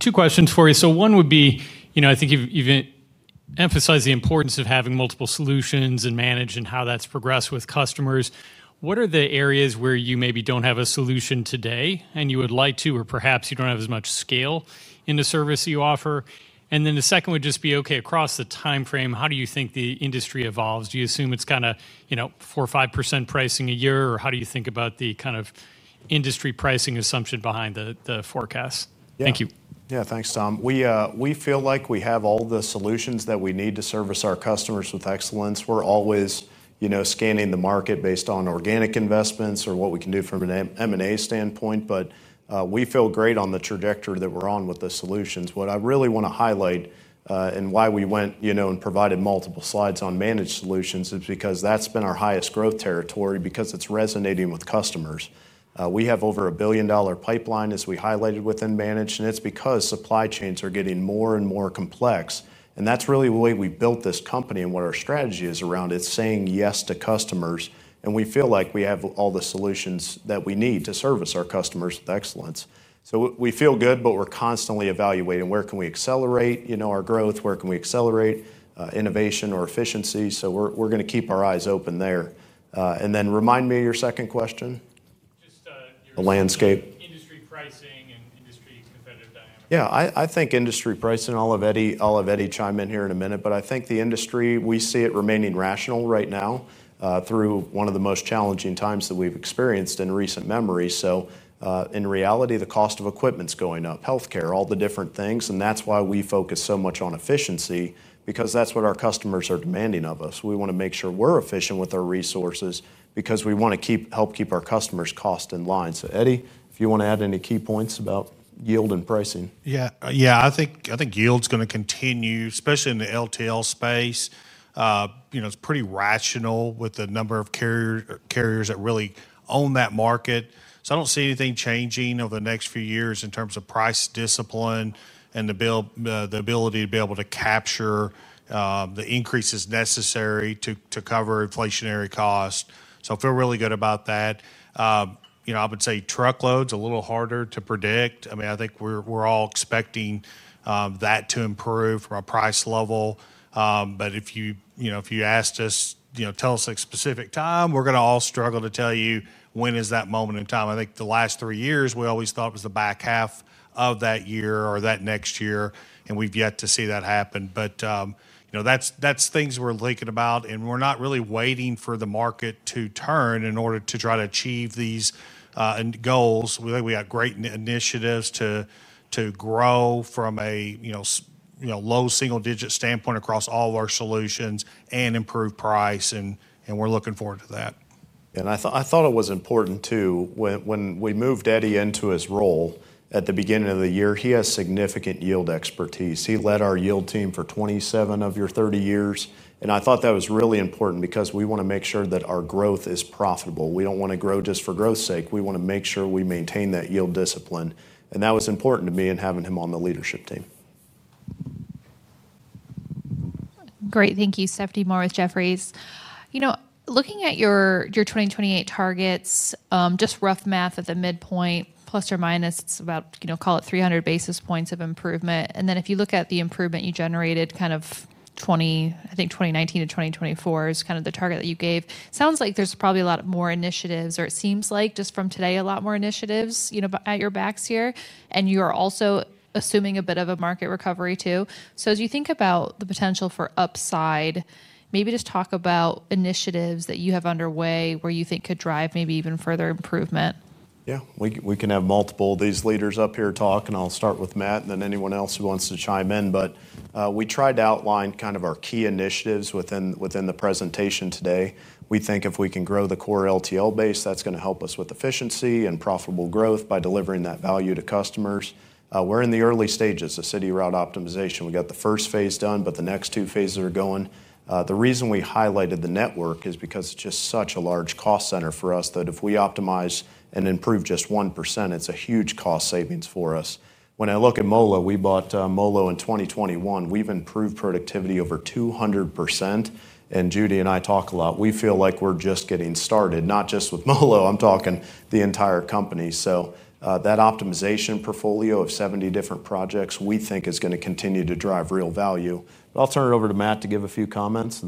Two questions for you. One would be, I think you've emphasized the importance of having multiple solutions and managing how that's progressed with customers. What are the areas where you maybe don't have a solution today and you would like to, or perhaps you don't have as much scale in the service you offer? The second would just be, across the timeframe, how do you think the industry evolves? Do you assume it's kind of, you know, 4% or 5% pricing a year? Or how do you think about the kind of industry pricing assumption behind the forecast? Yeah, thank you. Yeah, thanks, Tom. We feel like we have all the solutions that we need to service our customers with excellence. We're always scanning the market based on organic investments or what we can do from an M&A standpoint. We feel great on the trajectory that we're on with the solutions. What I really want to highlight and why we went and provided multiple slides on managed solutions is because that's been our highest growth territory because it's resonating with customers. We have over a $1 billion pipeline, as we highlighted within managed, and it's because supply chains are getting more and more complex. That's really the way we built this company and what our strategy is around. It's saying yes to customers. We feel like we have all the solutions that we need to service our customers with excellence. We feel good, but we're constantly evaluating where can we accelerate our growth, where can we accelerate innovation or efficiency. We're going to keep our eyes open there. Remind me of your second question. The landscape. I think industry pricing, I'll have Eddie chime in here in a minute, but I think the industry, we see it remaining rational right now through one of the most challenging times that we've experienced in recent memory. In reality, the cost of equipment's going up, healthcare, all the different things. That's why we focus so much on efficiency, because that's what our customers are demanding of us. We want to make sure we're efficient with our resources because we want to help keep our customers' costs in line. Eddie, if you want to add any key points about yield and pricing. Yeah, yeah, I think yield's going to continue, especially in the less-than-truckload (LTL) space. It's pretty rational with the number of carriers that really own that market. I don't see anything changing over the next few years in terms of price discipline and the ability to be able to capture the increases necessary to cover inflationary costs. I feel really good about that. I would say truckloads are a little harder to predict. I mean, I think we're all expecting that to improve from a price level. If you asked us, tell us a specific time, we're going to all struggle to tell you when is that moment in time. The last three years, we always thought it was the back half of that year or that next year, and we've yet to see that happen. That's things we're thinking about, and we're not really waiting for the market to turn in order to try to achieve these goals. We think we got great initiatives to grow from a low single-digit standpoint across all of our solutions and improve price, and we're looking forward to that. Yeah, I thought it was important too, when we moved Eddie into his role at the beginning of the year. He has significant yield expertise. He led our yield team for 27 of your 30 years, and I thought that was really important because we want to make sure that our growth is profitable. We don't want to grow just for growth's sake. We want to make sure we maintain that yield discipline. That was important to me in having him on the leadership team. Great, thank you. Sophie Moore with Jefferies. Looking at your 2028 targets, just rough math at the midpoint, plus or minus about, call it 300 basis points of improvement. If you look at the improvement you generated, kind of 2019 to 2024 is kind of the target that you gave. It sounds like there's probably a lot more initiatives, or it seems like just from today, a lot more initiatives at your backs here. You are also assuming a bit of a market recovery too. As you think about the potential for upside, maybe just talk about initiatives that you have underway where you think could drive maybe even further improvement. Yeah, we can have multiple of these leaders up here talk, and I'll start with Matt and then anyone else who wants to chime in. We tried to outline kind of our key initiatives within the presentation today. We think if we can grow the core LTL base, that's going to help us with efficiency and profitable growth by delivering that value to customers. We're in the early stages of city route optimization. We got the first phase done, but the next two phases are going. The reason we highlighted the network is because it's just such a large cost center for us that if we optimize and improve just 1%, it's a huge cost savings for us. When I look at MOLO, we bought MOLO in 2021. We've improved productivity over 200%. Judy and I talk a lot. We feel like we're just getting started, not just with MOLO. I'm talking the entire company. That optimization portfolio of 70 different projects we think is going to continue to drive real value. I'll turn it over to Matt to give a few comments.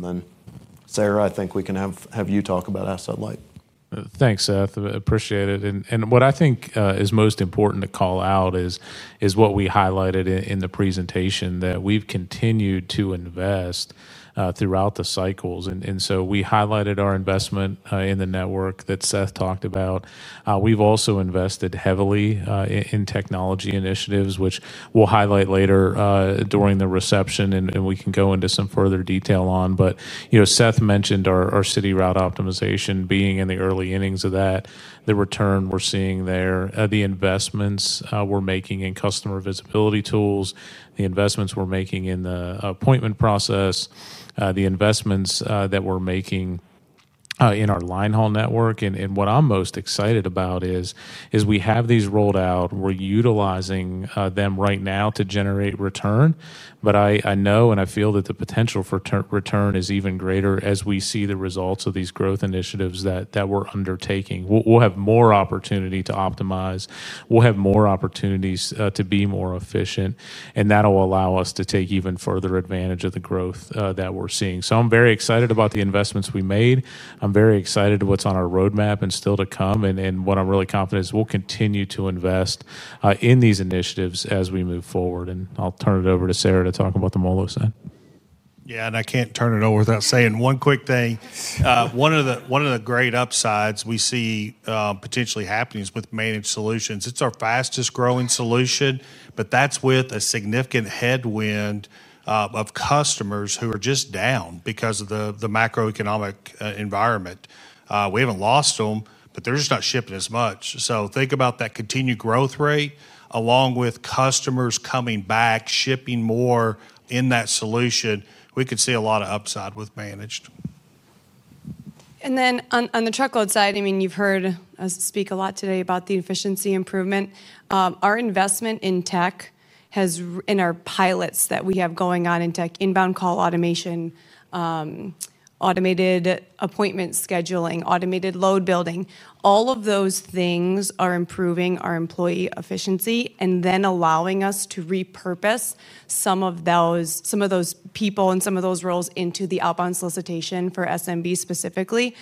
Sarah, I think we can have you talk about asset-light. Thanks, Seth. Appreciate it. What I think is most important to call out is what we highlighted in the presentation that we've continued to invest throughout the cycles. We highlighted our investment in the network that Seth talked about. We've also invested heavily in technology initiatives, which we'll highlight later during the reception, and we can go into some further detail on. Seth mentioned our city route optimization being in the early innings of that, the return we're seeing there, the investments we're making in customer visibility tools, the investments we're making in the appointment process, the investments that we're making in our Linehaul network. What I'm most excited about is we have these rolled out. We're utilizing them right now to generate return. I know and I feel that the potential for return is even greater as we see the results of these growth initiatives that we're undertaking. We'll have more opportunity to optimize. We'll have more opportunities to be more efficient. That'll allow us to take even further advantage of the growth that we're seeing. I'm very excited about the investments we made. I'm very excited about what's on our roadmap and still to come. What I'm really confident is we'll continue to invest in these initiatives as we move forward. I'll turn it over to Sarah to talk about the MOLO side. Yeah, and I can't turn it over without saying one quick thing. One of the great upsides we see potentially happening is with managed solutions. It's our fastest growing solution, but that's with a significant headwind of customers who are just down because of the macroeconomic environment. We haven't lost them, but they're just not shipping as much. Think about that continued growth rate along with customers coming back, shipping more in that solution. We could see a lot of upside with managed. On the truckload side, you've heard us speak a lot today about the efficiency improvement. Our investment in tech has, in our pilots that we have going on in tech, inbound call automation, automated appointment scheduling, automated load building. All of those things are improving our employee efficiency and allowing us to repurpose some of those people and some of those roles into the outbound solicitation for SMB specifically.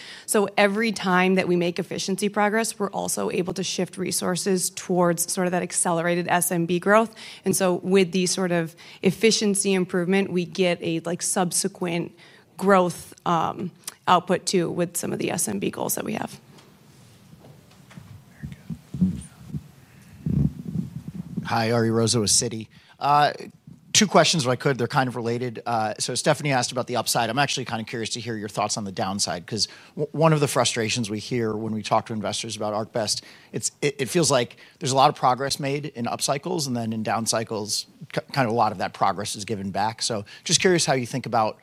Every time that we make efficiency progress, we're also able to shift resources towards that accelerated SMB growth. With the efficiency improvement, we get a subsequent growth output too with some of the SMB goals that we have. Hi, Ari Rosa with Citigroup. Two questions if I could. They're kind of related. Stephanie asked about the upside. I'm actually kind of curious to hear your thoughts on the downside because one of the frustrations we hear when we talk to investors about ArcBest, it feels like there's a lot of progress made in up cycles, and then in down cycles, kind of a lot of that progress is given back. Just curious how you think about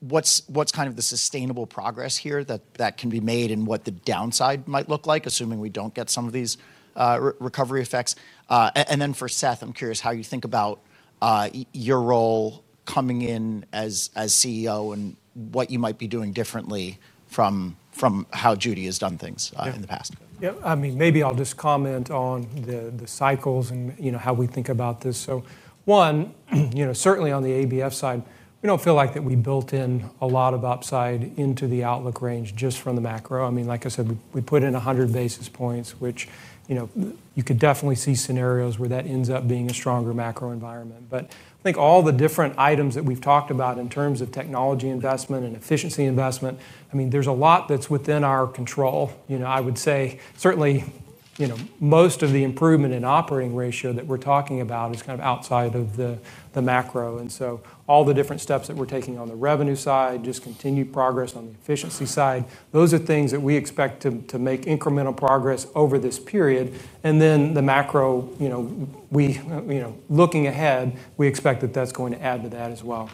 what's kind of the sustainable progress here that can be made and what the downside might look like, assuming we don't get some of these recovery effects. For Seth, I'm curious how you think about your role coming in as CEO and what you might be doing differently from how Judy has done things in the past. Yeah, I mean, maybe I'll just comment on the cycles and how we think about this. One, certainly on the ABF Freight side, we don't feel like we built in a lot of upside into the outlook range just from the macro. Like I said, we put in 100 basis points, which you could definitely see scenarios where that ends up being a stronger macro environment. I think all the different items that we've talked about in terms of technology investment and efficiency investment, there's a lot that's within our control. I would say certainly most of the improvement in operating ratio that we're talking about is kind of outside of the macro. All the different steps that we're taking on the revenue side, just continued progress on the efficiency side, those are things that we expect to make incremental progress over this period. The macro, looking ahead, we expect that that's going to add to that as well.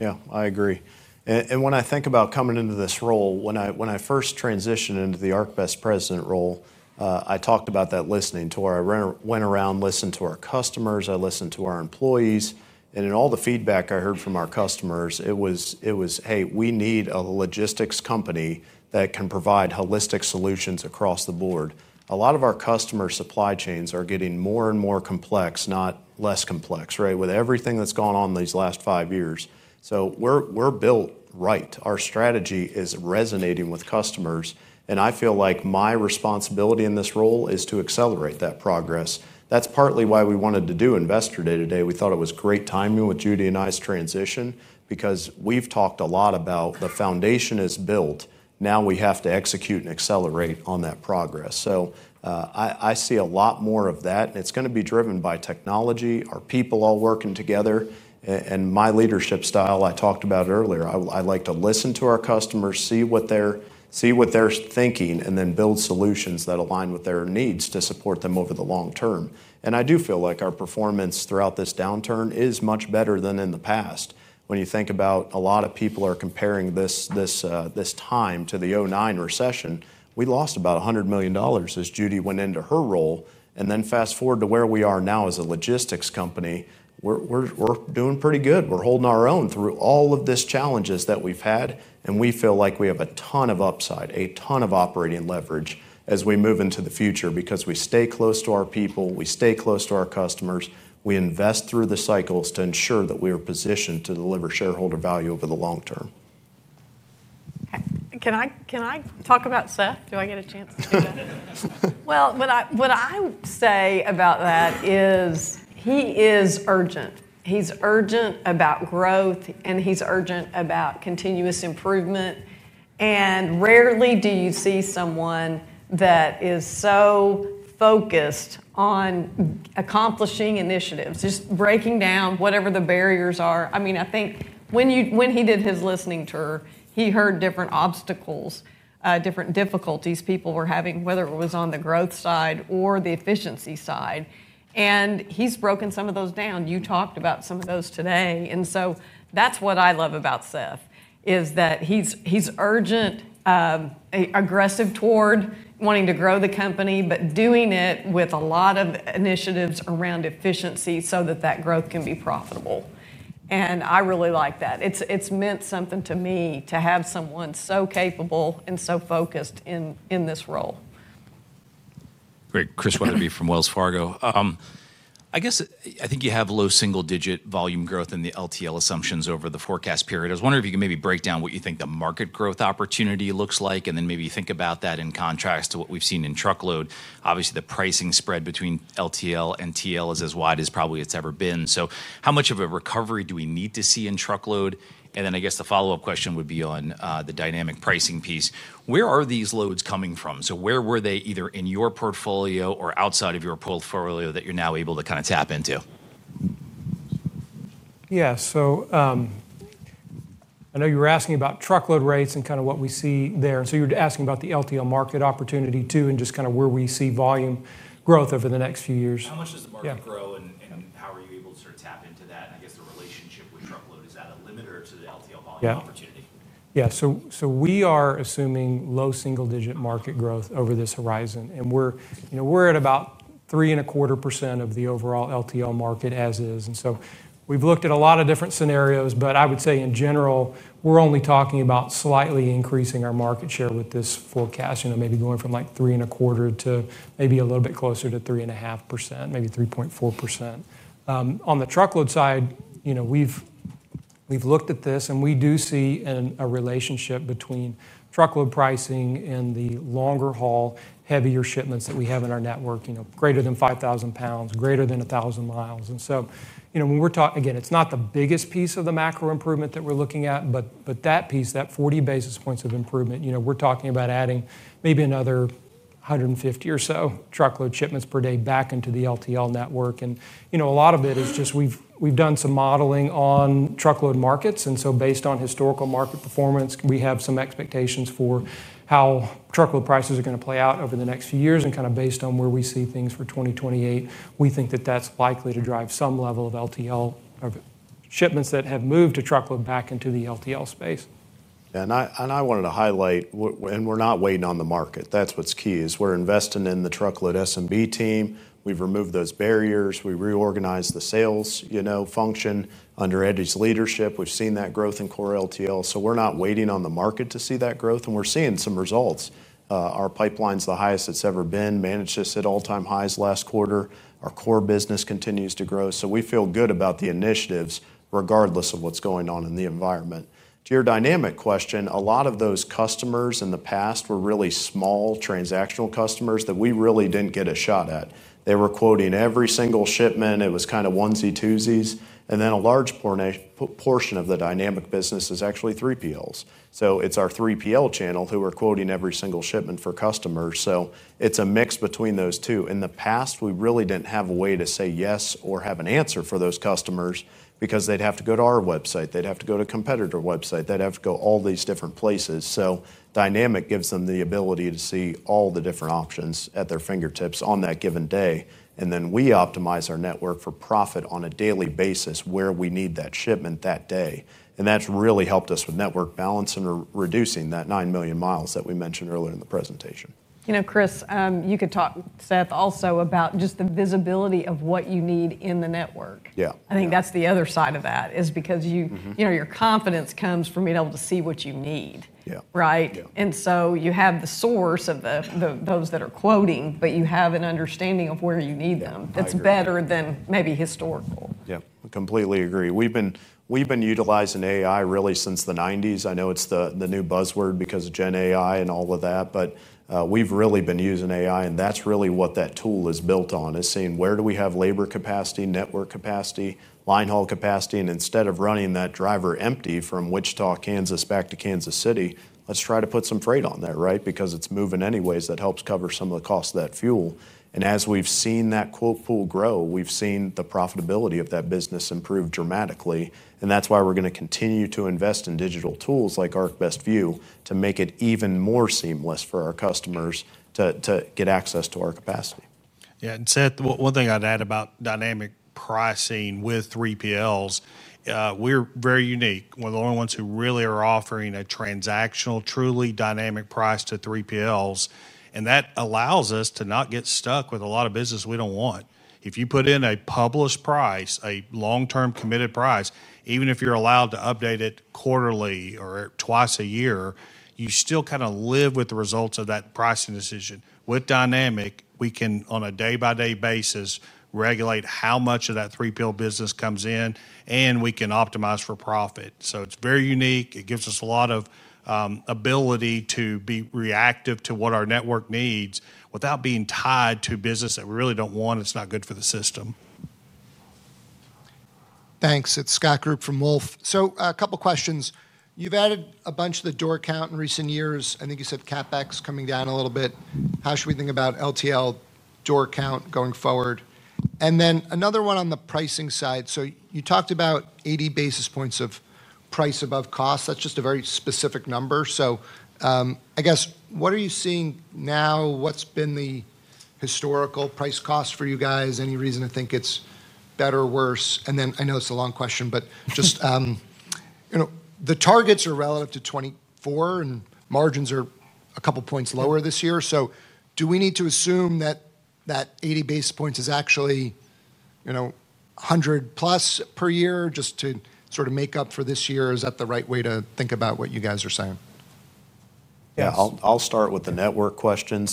Yeah, I agree. When I think about coming into this role, when I first transitioned into the ArcBest President role, I talked about that listening tour. I went around, listened to our customers, I listened to our employees. In all the feedback I heard from our customers, it was, hey, we need a logistics company that can provide holistic solutions across the board. A lot of our customer supply chains are getting more and more complex, not less complex, right, with everything that's gone on these last five years. We are built right. Our strategy is resonating with customers. I feel like my responsibility in this role is to accelerate that progress. That is partly why we wanted to do Investor Day today. We thought it was great timing with Judy and I's transition because we've talked a lot about the foundation being built. Now we have to execute and accelerate on that progress. I see a lot more of that. It is going to be driven by technology, our people all working together, and my leadership style I talked about earlier. I like to listen to our customers, see what they're thinking, and then build solutions that align with their needs to support them over the long term. I do feel like our performance throughout this downturn is much better than in the past. When you think about a lot of people comparing this time to the 2009 recession, we lost about $100 million as Judy went into her role. Fast forward to where we are now as a logistics company. We're doing pretty good. We're holding our own through all of these challenges that we've had. We feel like we have a ton of upside, a ton of operating leverage as we move into the future because we stay close to our people, we stay close to our customers, we invest through the cycles to ensure that we are positioned to deliver shareholder value over the long term. Can I talk about Seth? Do I get a chance to do that? What I would say about that is he is urgent. He's urgent about growth, and he's urgent about continuous improvement. Rarely do you see someone that is so focused on accomplishing initiatives, just breaking down whatever the barriers are. I think when he did his listening tour, he heard different obstacles, different difficulties people were having, whether it was on the growth side or the efficiency side. He's broken some of those down. You talked about some of those today. That's what I love about Seth, that he's urgent, aggressive toward wanting to grow the company, but doing it with a lot of initiatives around efficiency so that growth can be profitable. I really like that. It's meant something to me to have someone so capable and so focused in this role. Great. Chris Wetherbee from Wells Fargo. I guess I think you have low single-digit volume growth in the LTL assumptions over the forecast period. I was wondering if you could maybe break down what you think the market growth opportunity looks like, and then maybe you think about that in contrast to what we've seen in truckload. Obviously, the pricing spread between LTL and TL is as wide as probably it's ever been. How much of a recovery do we need to see in truckload? I guess the follow-up question would be on the dynamic pricing piece. Where are these loads coming from? Where were they either in your portfolio or outside of your portfolio that you're now able to kind of tap into? Yeah, I know you were asking about truckload rates and kind of what we see there. You were asking about the less-than-truckload (LTL) market opportunity too and just kind of where we see volume growth over the next few years. How much does the market grow, and how are you able to sort of tap into that? I guess the relationship with truckload, is that a limit, or is it the less-than-truckload (LTL) volume opportunity? Yeah, we are assuming low single-digit market growth over this horizon. We're at about 3.25% of the overall less-than-truckload (LTL) market as is. We've looked at a lot of different scenarios, but in general, we're only talking about slightly increasing our market share with this forecast, maybe going from 3.25% to maybe a little bit closer to 3.5%, maybe 3.4%. On the truckload side, we've looked at this and we do see a relationship between truckload pricing and the longer haul, heavier shipments that we have in our network, greater than 5,000 pounds, greater than 1,000 miles. When we're talking, it's not the biggest piece of the macro improvement that we're looking at, but that piece, that 40 basis points of improvement, we're talking about adding maybe another 150 or so truckload shipments per day back into the LTL network. A lot of it is just we've done some modeling on truckload markets. Based on historical market performance, we have some expectations for how truckload prices are going to play out over the next few years. Based on where we see things for 2028, we think that that's likely to drive some level of LTL shipments that have moved to truckload back into the LTL space. Yeah, I wanted to highlight, we're not waiting on the market. That's what's key, we're investing in the truckload SMB team. We've removed those barriers. We reorganized the sales function under Eddie's leadership. We've seen that growth in core less-than-truckload (LTL). We're not waiting on the market to see that growth. We're seeing some results. Our pipeline's the highest it's ever been. Managed is at all-time highs last quarter. Our core business continues to grow. We feel good about the initiatives regardless of what's going on in the environment. To your dynamic question, a lot of those customers in the past were really small transactional customers that we really didn't get a shot at. They were quoting every single shipment. It was kind of onesie-twosies. A large portion of the dynamic business is actually 3PLs. It's our 3PL channel who are quoting every single shipment for customers. It's a mix between those two. In the past, we really didn't have a way to say yes or have an answer for those customers because they'd have to go to our website, they'd have to go to a competitor website, they'd have to go to all these different places. Dynamic gives them the ability to see all the different options at their fingertips on that given day. We optimize our network for profit on a daily basis where we need that shipment that day. That's really helped us with network balance and reducing that 9 million miles that we mentioned earlier in the presentation. You know, Chris, you could talk, Seth, also about just the visibility of what you need in the network. I think that's the other side of that is because you know, your confidence comes from being able to see what you need. Yeah, right? You have the source of those that are quoting, but you have an understanding of where you need them. That's better than maybe historical. Yeah, I completely agree. We've been utilizing AI really since the 1990s. I know it's the new buzzword because of Gen AI and all of that. We've really been using AI, and that's really what that tool is built on, is seeing where do we have labor capacity, network capacity, line haul capacity. Instead of running that driver empty from Wichita, Kansas back to Kansas City, let's try to put some freight on that, right? Because it's moving anyways, that helps cover some of the costs of that fuel. As we've seen that quote pool grow, we've seen the profitability of that business improve dramatically. That's why we're going to continue to invest in digital tools like ArcBest View to make it even more seamless for our customers to get access to our capacity. Yeah, Seth, one thing I'd add about dynamic pricing with 3PLs, we're very unique. We're the only ones who really are offering a transactional, truly dynamic price to 3PLs. That allows us to not get stuck with a lot of business we don't want. If you put in a published price, a long-term committed price, even if you're allowed to update it quarterly or twice a year, you still kind of live with the results of that pricing decision. With dynamic, we can, on a day-by-day basis, regulate how much of that 3PL business comes in, and we can optimize for profit. It's very unique. It gives us a lot of ability to be reactive to what our network needs without being tied to business that we really don't want. It's not good for the system. Thanks. It's Scott Group from Wolfe. A couple of questions. You've added a bunch of the door count in recent years. I think you said CapEx coming down a little bit. How should we think about LTL door count going forward? Another one on the pricing side. You talked about 80 basis points of price above cost. That's just a very specific number. What are you seeing now? What's been the historical price cost for you guys? Any reason to think it's better or worse? I know it's a long question, but just, you know, the targets are relative to 2024, and margins are a couple of points lower this year. Do we need to assume that that 80 basis points is actually, you know, 100 plus per year just to sort of make up for this year? Is that the right way to think about what you guys are saying? Yeah, I'll start with the network question.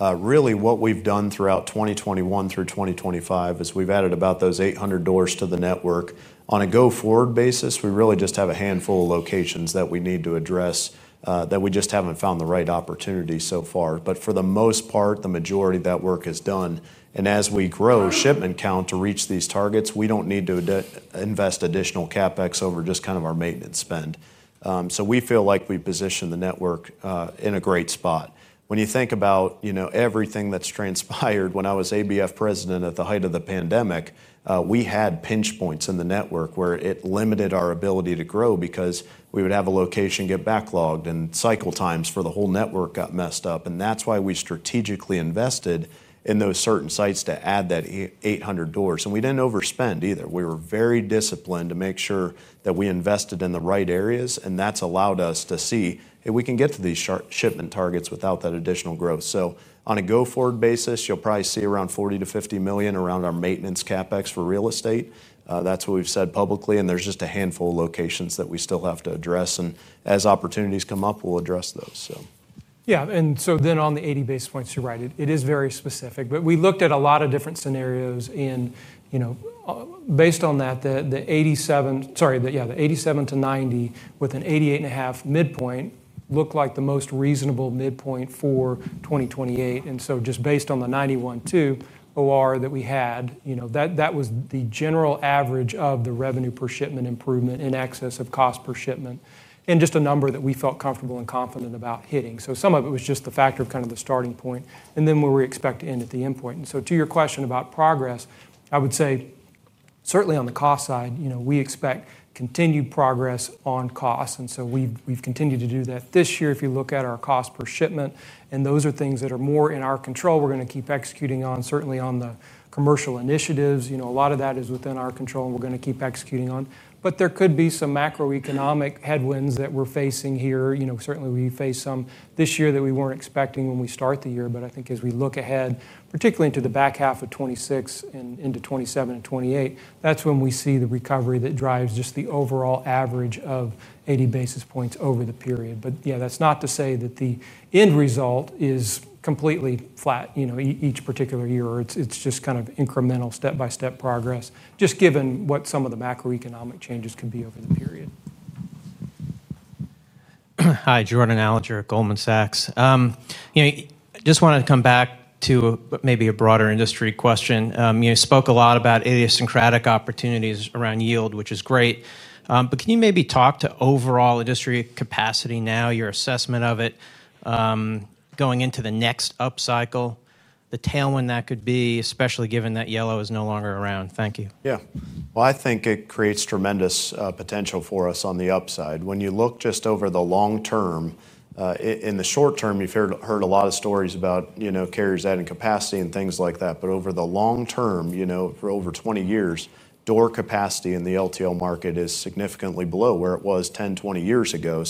Really what we've done throughout 2021 through 2025 is we've added about those 800 doors to the network. On a go-forward basis, we really just have a handful of locations that we need to address that we just haven't found the right opportunity so far. For the most part, the majority of that work is done. As we grow shipment count to reach these targets, we don't need to invest additional CapEx over just kind of our maintenance spend. We feel like we position the network in a great spot. When you think about everything that's transpired when I was ABF Freight President at the height of the pandemic, we had pinch points in the network where it limited our ability to grow because we would have a location get backlogged and cycle times for the whole network got messed up. That's why we strategically invested in those certain sites to add that 800 doors. We didn't overspend either. We were very disciplined to make sure that we invested in the right areas. That's allowed us to see if we can get to these shipment targets without that additional growth. On a go-forward basis, you'll probably see around $40 to $50 million around our maintenance CapEx for real estate. That's what we've said publicly. There's just a handful of locations that we still have to address. As opportunities come up, we'll address those. Yeah, and on the 80 basis points, you're right. It is very specific. We looked at a lot of different scenarios. Based on that, the 87, sorry, the 87 to 90 with an 88.5 midpoint looked like the most reasonable midpoint for 2028. Just based on the 91.2 operating ratio that we had, that was the general average of the revenue per shipment improvement in excess of cost per shipment, and just a number that we felt comfortable and confident about hitting. Some of it was just the factor of the starting point and then where we expect to end at the endpoint. To your question about progress, I would say certainly on the cost side, we expect continued progress on costs, and we've continued to do that this year. If you look at our cost per shipment, those are things that are more in our control, we're going to keep executing on. Certainly on the commercial initiatives, a lot of that is within our control, and we're going to keep executing on. There could be some macroeconomic headwinds that we're facing here. Certainly we faced some this year that we weren't expecting when we started the year. I think as we look ahead, particularly into the back half of 2026 and into 2027 and 2028, that's when we see the recovery that drives just the overall average of 80 basis points over the period. That's not to say that the end result is completely flat each particular year. It's just incremental step-by-step progress, given what some of the macroeconomic changes can be over the period. Hi, Jordan Alliger at Goldman Sachs. I just wanted to come back to maybe a broader industry question. You spoke a lot about idiosyncratic opportunities around yield, which is great. Can you maybe talk to overall industry capacity now, your assessment of it going into the next upcycle, the tailwind that could be, especially given that Yellow is no longer around? Thank you. Yeah, I think it creates tremendous potential for us on the upside. When you look just over the long term, in the short term, you've heard a lot of stories about carriers adding capacity and things like that. Over the long term, for over 20 years, door capacity in the less-than-truckload (LTL) market is significantly below where it was 10 or 20 years ago.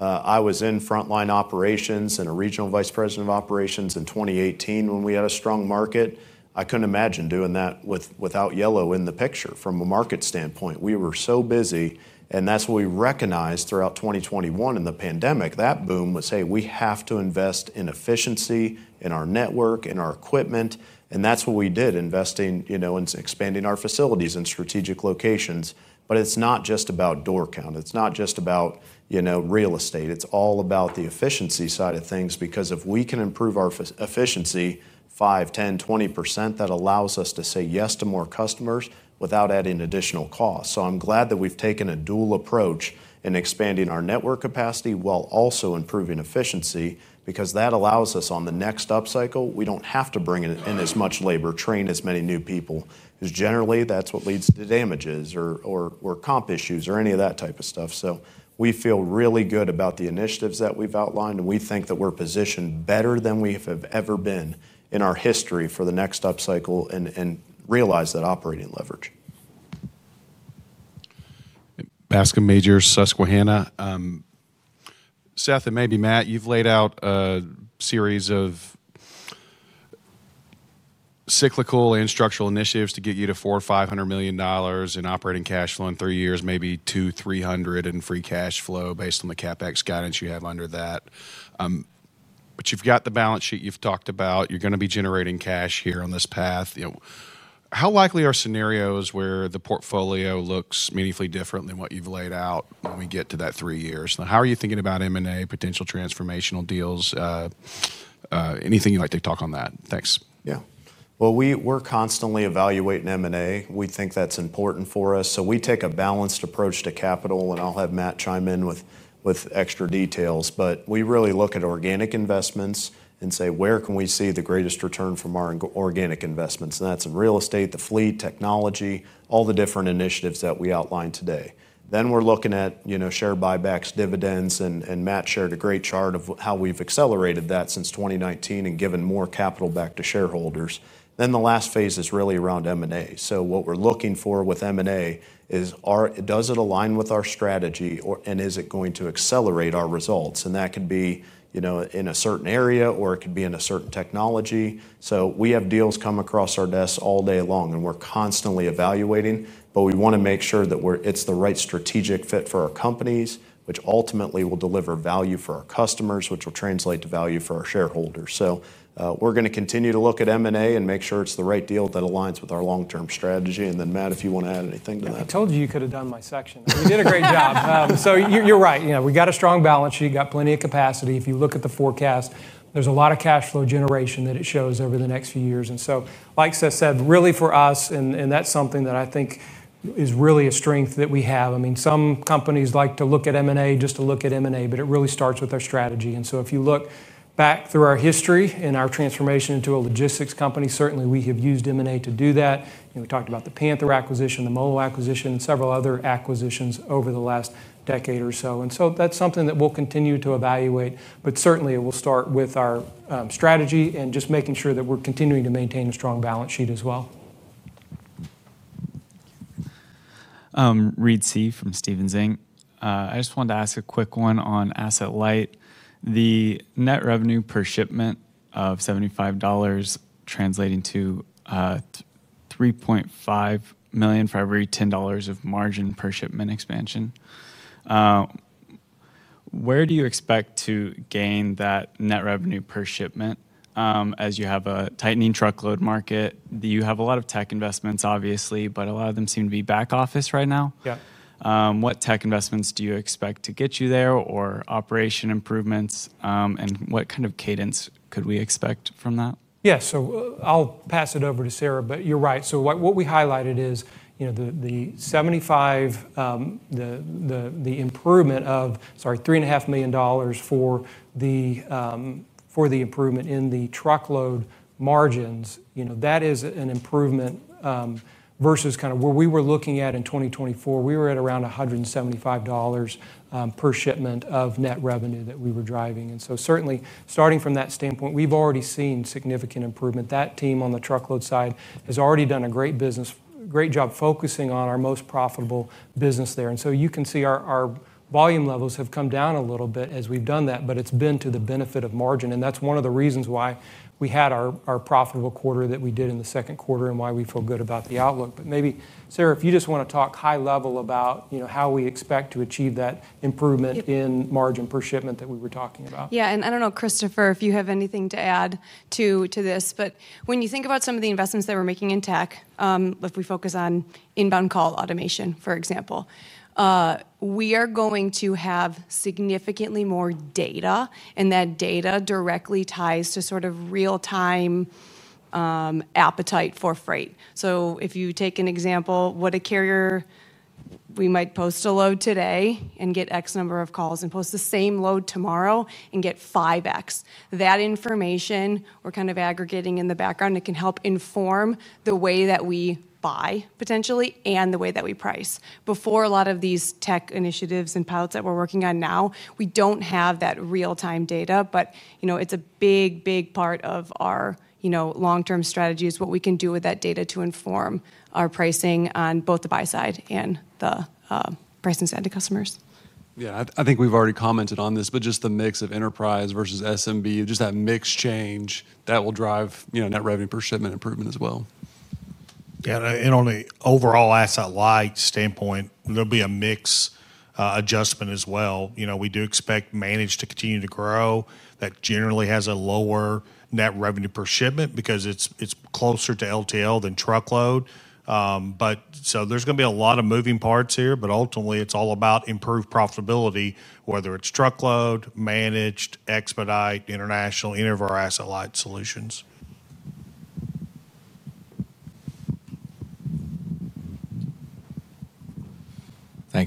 I was in frontline operations and a Regional Vice President of Operations in 2018 when we had a strong market. I couldn't imagine doing that without Yellow in the picture from a market standpoint. We were so busy. That's what we recognized throughout 2021 in the pandemic. That boom was, hey, we have to invest in efficiency, in our network, in our equipment. That's what we did, investing in expanding our facilities in strategic locations. It's not just about door count. It's not just about real estate. It's all about the efficiency side of things. If we can improve our efficiency 5%, 10%, 20%, that allows us to say yes to more customers without adding additional costs. I'm glad that we've taken a dual approach in expanding our network capacity while also improving efficiency, because that allows us on the next upcycle, we don't have to bring in as much labor or train as many new people, because generally that's what leads to damages or comp issues or any of that type of stuff. We feel really good about the initiatives that we've outlined, and we think that we're positioned better than we have ever been in our history for the next upcycle and realize that operating leverage. Seth and maybe Matt, you've laid out a series of cyclical and structural initiatives to get you to $400 or $500 million in operating cash flow in three years, maybe $200 or $300 million in free cash flow based on the CapEx guidance you have under that. You've got the balance sheet you've talked about. You're going to be generating cash here on this path. How likely are scenarios where the portfolio looks meaningfully different than what you've laid out when we get to that three years? How are you thinking about M&A, potential transformational deals? Anything you'd like to talk on that? Thanks. Yeah, we're constantly evaluating M&A. We think that's important for us. We take a balanced approach to capital, and I'll have Matt chime in with extra details. We really look at organic investments and say, where can we see the greatest return from our organic investments? That's in real estate, the fleet, technology, all the different initiatives that we outlined today. We're looking at share buybacks, dividends, and Matt shared a great chart of how we've accelerated that since 2019 and given more capital back to shareholders. The last phase is really around M&A. What we're looking for with M&A is, does it align with our strategy, and is it going to accelerate our results? That could be in a certain area, or it could be in a certain technology. We have deals come across our desk all day long, and we're constantly evaluating, but we want to make sure that it's the right strategic fit for our companies, which ultimately will deliver value for our customers, which will translate to value for our shareholders. We're going to continue to look at M&A and make sure it's the right deal that aligns with our long-term strategy. Matt, if you want to add anything to that. Told you you could have done my section. You did a great job. You're right. We got a strong balance sheet, got plenty of capacity. If you look at the forecast, there's a lot of cash flow generation that it shows over the next few years. Like Seth said, really for us, that's something that I think is really a strength that we have. Some companies like to look at M&A just to look at M&A, but it really starts with our strategy. If you look back through our history and our transformation into a logistics company, certainly we have used M&A to do that. We talked about the Panther Premium Logistics acquisition, the MOLO acquisition, and several other acquisitions over the last decade or so. That's something that we'll continue to evaluate. Certainly it will start with our strategy and just making sure that we're continuing to maintain a strong balance sheet as well. I just wanted to ask a quick one on asset-light. The net revenue per shipment of $75 translating to $3.5 million for every $10 of margin per shipment expansion. Where do you expect to gain that net revenue per shipment as you have a tightening truckload market? You have a lot of tech investments, obviously, but a lot of them seem to be back office right now. What tech investments do you expect to get you there or operation improvements? What kind of cadence could we expect from that? Yeah, I'll pass it over to Sarah, but you're right. What we highlighted is the $3.5 million for the improvement in the truckload margins. That is an improvement versus kind of where we were looking at in 2024. We were at around $175 per shipment of net revenue that we were driving. Certainly, starting from that standpoint, we've already seen significant improvement. That team on the truckload side has already done a great job focusing on our most profitable business there. You can see our volume levels have come down a little bit as we've done that, but it's been to the benefit of margin. That's one of the reasons why we had our profitable quarter that we did in the second quarter and why we feel good about the outlook. Maybe, Sarah, if you just want to talk high level about how we expect to achieve that improvement in margin per shipment that we were talking about. Yeah, I don't know, Christopher, if you have anything to add to this, but when you think about some of the investments that we're making in tech, if we focus on inbound call automation, for example, we are going to have significantly more data, and that data directly ties to sort of real-time appetite for freight. If you take an example, what a carrier. We might post a load today and get X number of calls, and post the same load tomorrow and get five X. That information we're kind of aggregating in the background, it can help inform the way that we buy potentially and the way that we price. Before a lot of these tech initiatives and pilots that we're working on now, we don't have that real-time data, but you know it's a big, big part of our long-term strategies what we can do with that data to inform our pricing on both the buy side and the pricing side to customers. Yeah, I think we've already commented on this, just the mix of enterprise versus SMB, just that mix change that will drive net revenue per shipment improvement as well. Yeah, on the overall asset-light standpoint, there'll be a mixed adjustment as well. We do expect managed to continue to grow; that generally has a lower net revenue per shipment because it's closer to less-than-truckload (LTL) than truckload. There's going to be a lot of moving parts here, but ultimately it's all about improved profitability, whether it's truckload, managed, expedite, international, any of our asset-light solutions.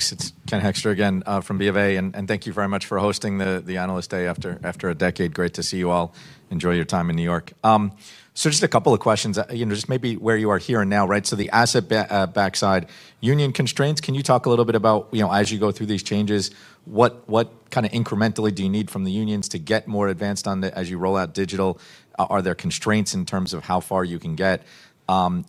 Thanks. It's Ken Hoexter again from Bank of America, and thank you very much for hosting the Analyst Day after a decade. Great to see you all. Enjoy your time in New York. Just a couple of questions, you know, just maybe where you are here and now, right? The asset backside, union constraints, can you talk a little bit about, you know, as you go through these changes, what kind of incrementally do you need from the unions to get more advanced on that as you roll out digital? Are there constraints in terms of how far you can get?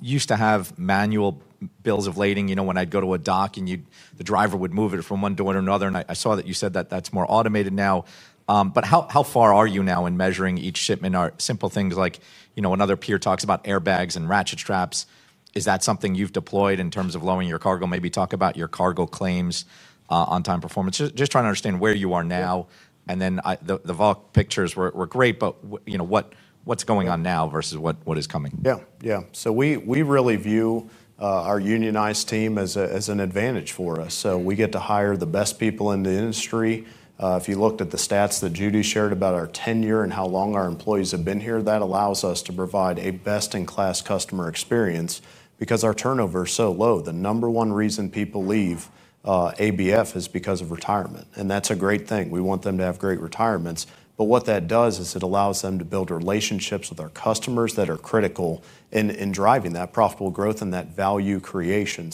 Used to have manual bills of lading, you know, when I'd go to a dock and the driver would move it from one to another, and I saw that you said that that's more automated now. How far are you now in measuring each shipment? Or simple things like, you know, another peer talks about airbags and ratchet straps. Is that something you've deployed in terms of lowering your cargo? Maybe talk about your cargo claims, on-time performance, just trying to understand where you are now. The Vox pictures were great, but you know, what's going on now versus what is coming? Yeah, yeah. We really view our unionized team as an advantage for us. We get to hire the best people in the industry. If you looked at the stats that Judy shared about our tenure and how long our employees have been here, that allows us to provide a best-in-class customer experience because our turnover is so low. The number one reason people leave ABF Freight is because of retirement, and that's a great thing. We want them to have great retirements. What that does is it allows them to build relationships with our customers that are critical in driving that profitable growth and that value creation.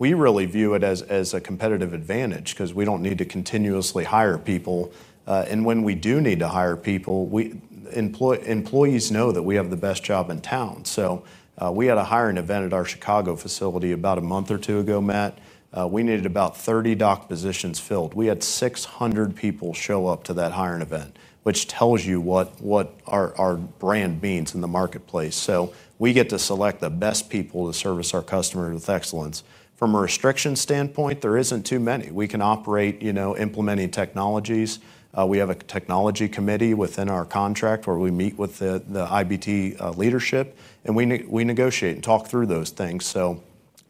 We really view it as a competitive advantage because we don't need to continuously hire people. When we do need to hire people, employees know that we have the best job in town. We had a hiring event at our Chicago facility about a month or two ago, Matt. We needed about 30 dock positions filled. We had 600 people show up to that hiring event, which tells you what our brand means in the marketplace. We get to select the best people to service our customers with excellence. From a restriction standpoint, there isn't too many. We can operate, you know, implementing technologies. We have a technology committee within our contract where we meet with the IBT leadership and we negotiate and talk through those things.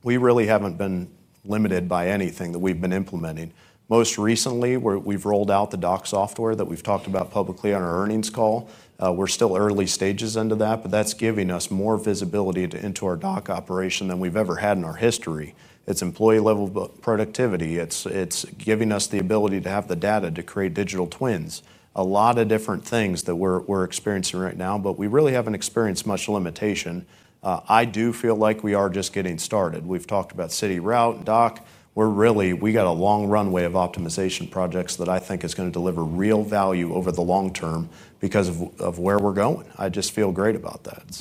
We really haven't been limited by anything that we've been implementing. Most recently, we've rolled out the dock software that we've talked about publicly on our earnings call. We're still early stages into that, but that's giving us more visibility into our dock operation than we've ever had in our history. It's employee-level productivity. It's giving us the ability to have the data to create digital twins. A lot of different things that we're experiencing right now, but we really haven't experienced much limitation. I do feel like we are just getting started. We've talked about city route and dock. We really got a long runway of optimization projects that I think is going to deliver real value over the long term because of where we're going. I just feel great about that.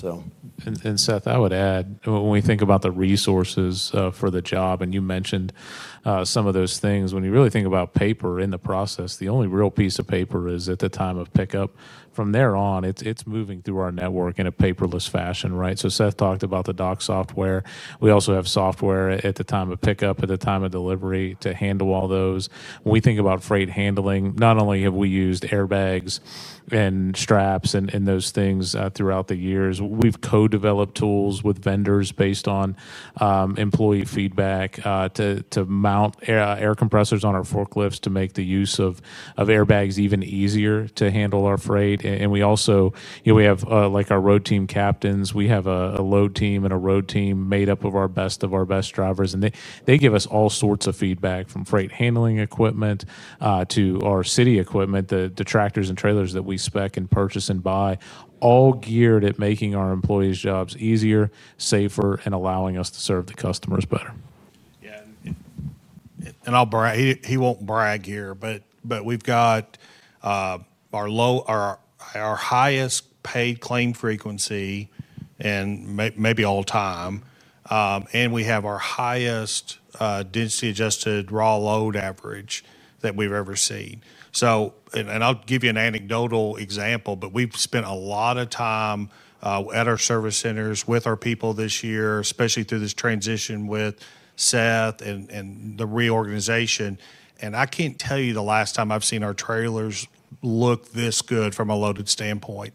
Seth, I would add, when we think about the resources for the job, and you mentioned some of those things, when you really think about paper in the process, the only real piece of paper is at the time of pickup. From there on, it's moving through our network in a paperless fashion, right? Seth talked about the dock software. We also have software at the time of pickup, at the time of delivery to handle all those. When we think about freight handling, not only have we used airbags and straps and those things throughout the years, we've co-developed tools with vendors based on employee feedback to mount air compressors on our forklifts to make the use of airbags even easier to handle our freight. We also have our road team captains. We have a load team and a road team made up of our best of our best drivers. They give us all sorts of feedback from freight handling equipment to our city equipment, the tractors and trailers that we spec and purchase and buy, all geared at making our employees' jobs easier, safer, and allowing us to serve the customers better. Yeah, and I'll brag, he won't brag here, but we've got our highest paid claim frequency and maybe all time. We have our highest density-adjusted raw load average that we've ever seen. I'll give you an anecdotal example. We've spent a lot of time at our service centers with our people this year, especially through this transition with Seth and the reorganization. I can't tell you the last time I've seen our trailers look this good from a loaded standpoint.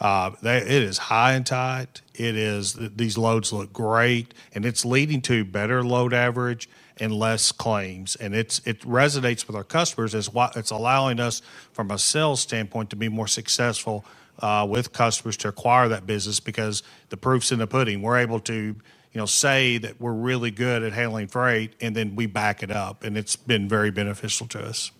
It is high and tight. These loads look great, and it's leading to better load average and less claims. It resonates with our customers. It's allowing us, from a sales standpoint, to be more successful with customers to acquire that business because the proof's in the pudding. We're able to say that we're really good at handling freight, and then we back it up. It's been very beneficial to us.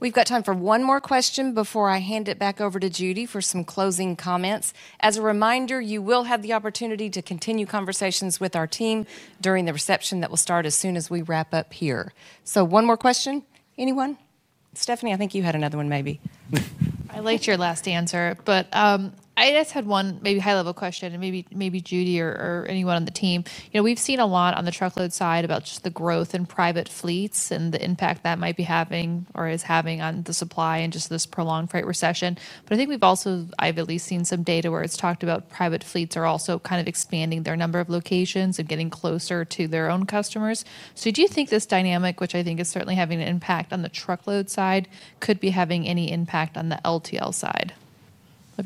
We've got time for one more question before I hand it back over to Judy for some closing comments. As a reminder, you will have the opportunity to continue conversations with our team during the reception that will start as soon as we wrap up here. One more question, anyone? Stephanie, I think you had another one, maybe. I liked your last answer, but I just had one maybe high-level question, and maybe Judy or anyone on the team. We've seen a lot on the truckload side about just the growth in private fleets and the impact that might be having or is having on the supply and just this prolonged freight recession. I think we've also either at least seen some data where it's talked about private fleets are also kind of expanding their number of locations and getting closer to their own customers. Do you think this dynamic, which I think is certainly having an impact on the truckload side, could be having any impact on the less-than-truckload (LTL) side? What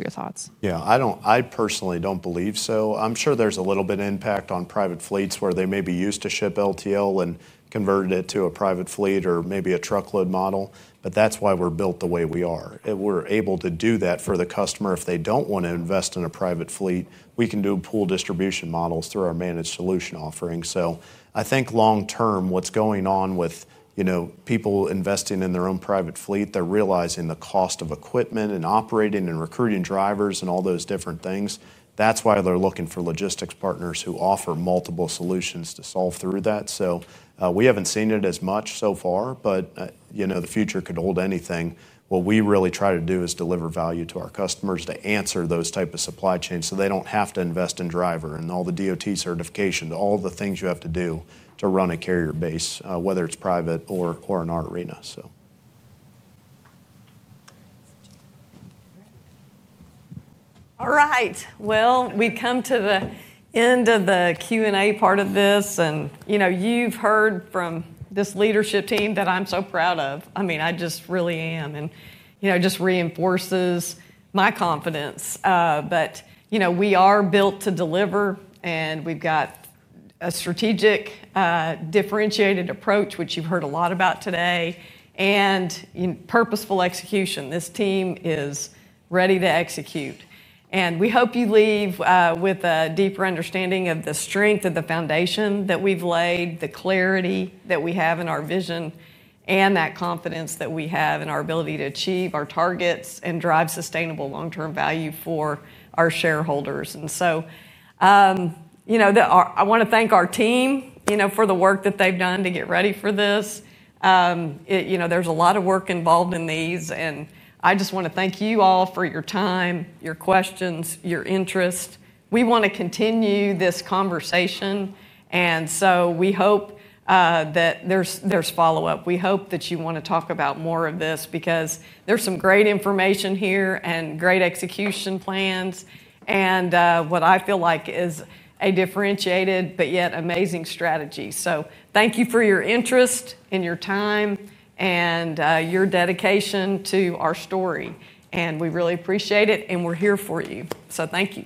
are your thoughts? Yeah, I personally don't believe so. I'm sure there's a little bit of impact on private fleets where they may be used to ship less-than-truckload (LTL) and converted it to a private fleet or maybe a truckload model. That's why we're built the way we are. We're able to do that for the customer. If they don't want to invest in a private fleet, we can do pool distribution models through our managed solution offering. I think long-term, what's going on with people investing in their own private fleet, they're realizing the cost of equipment and operating and recruiting drivers and all those different things. That's why they're looking for logistics partners who offer multiple solutions to solve through that. We haven't seen it as much so far, but the future could hold anything. What we really try to do is deliver value to our customers to answer those types of supply chains so they don't have to invest in driver and all the DOT certifications, all the things you have to do to run a carrier base, whether it's private or in our arena. All right. We've come to the end of the Q&A part of this, and you've heard from this leadership team that I'm so proud of. I just really am, and it just reinforces my confidence. We are built to deliver, and we've got a strategic, differentiated approach, which you've heard a lot about today, and purposeful execution. This team is ready to execute. We hope you leave with a deeper understanding of the strength of the foundation that we've laid, the clarity that we have in our vision, and that confidence that we have in our ability to achieve our targets and drive sustainable long-term value for our shareholders. I want to thank our team for the work that they've done to get ready for this. There's a lot of work involved in these, and I just want to thank you all for your time, your questions, your interest. We want to continue this conversation, and we hope that there's follow-up. We hope that you want to talk about more of this because there's some great information here and great execution plans and what I feel like is a differentiated but yet amazing strategy. Thank you for your interest and your time and your dedication to our story, and we really appreciate it, and we're here for you. Thank you.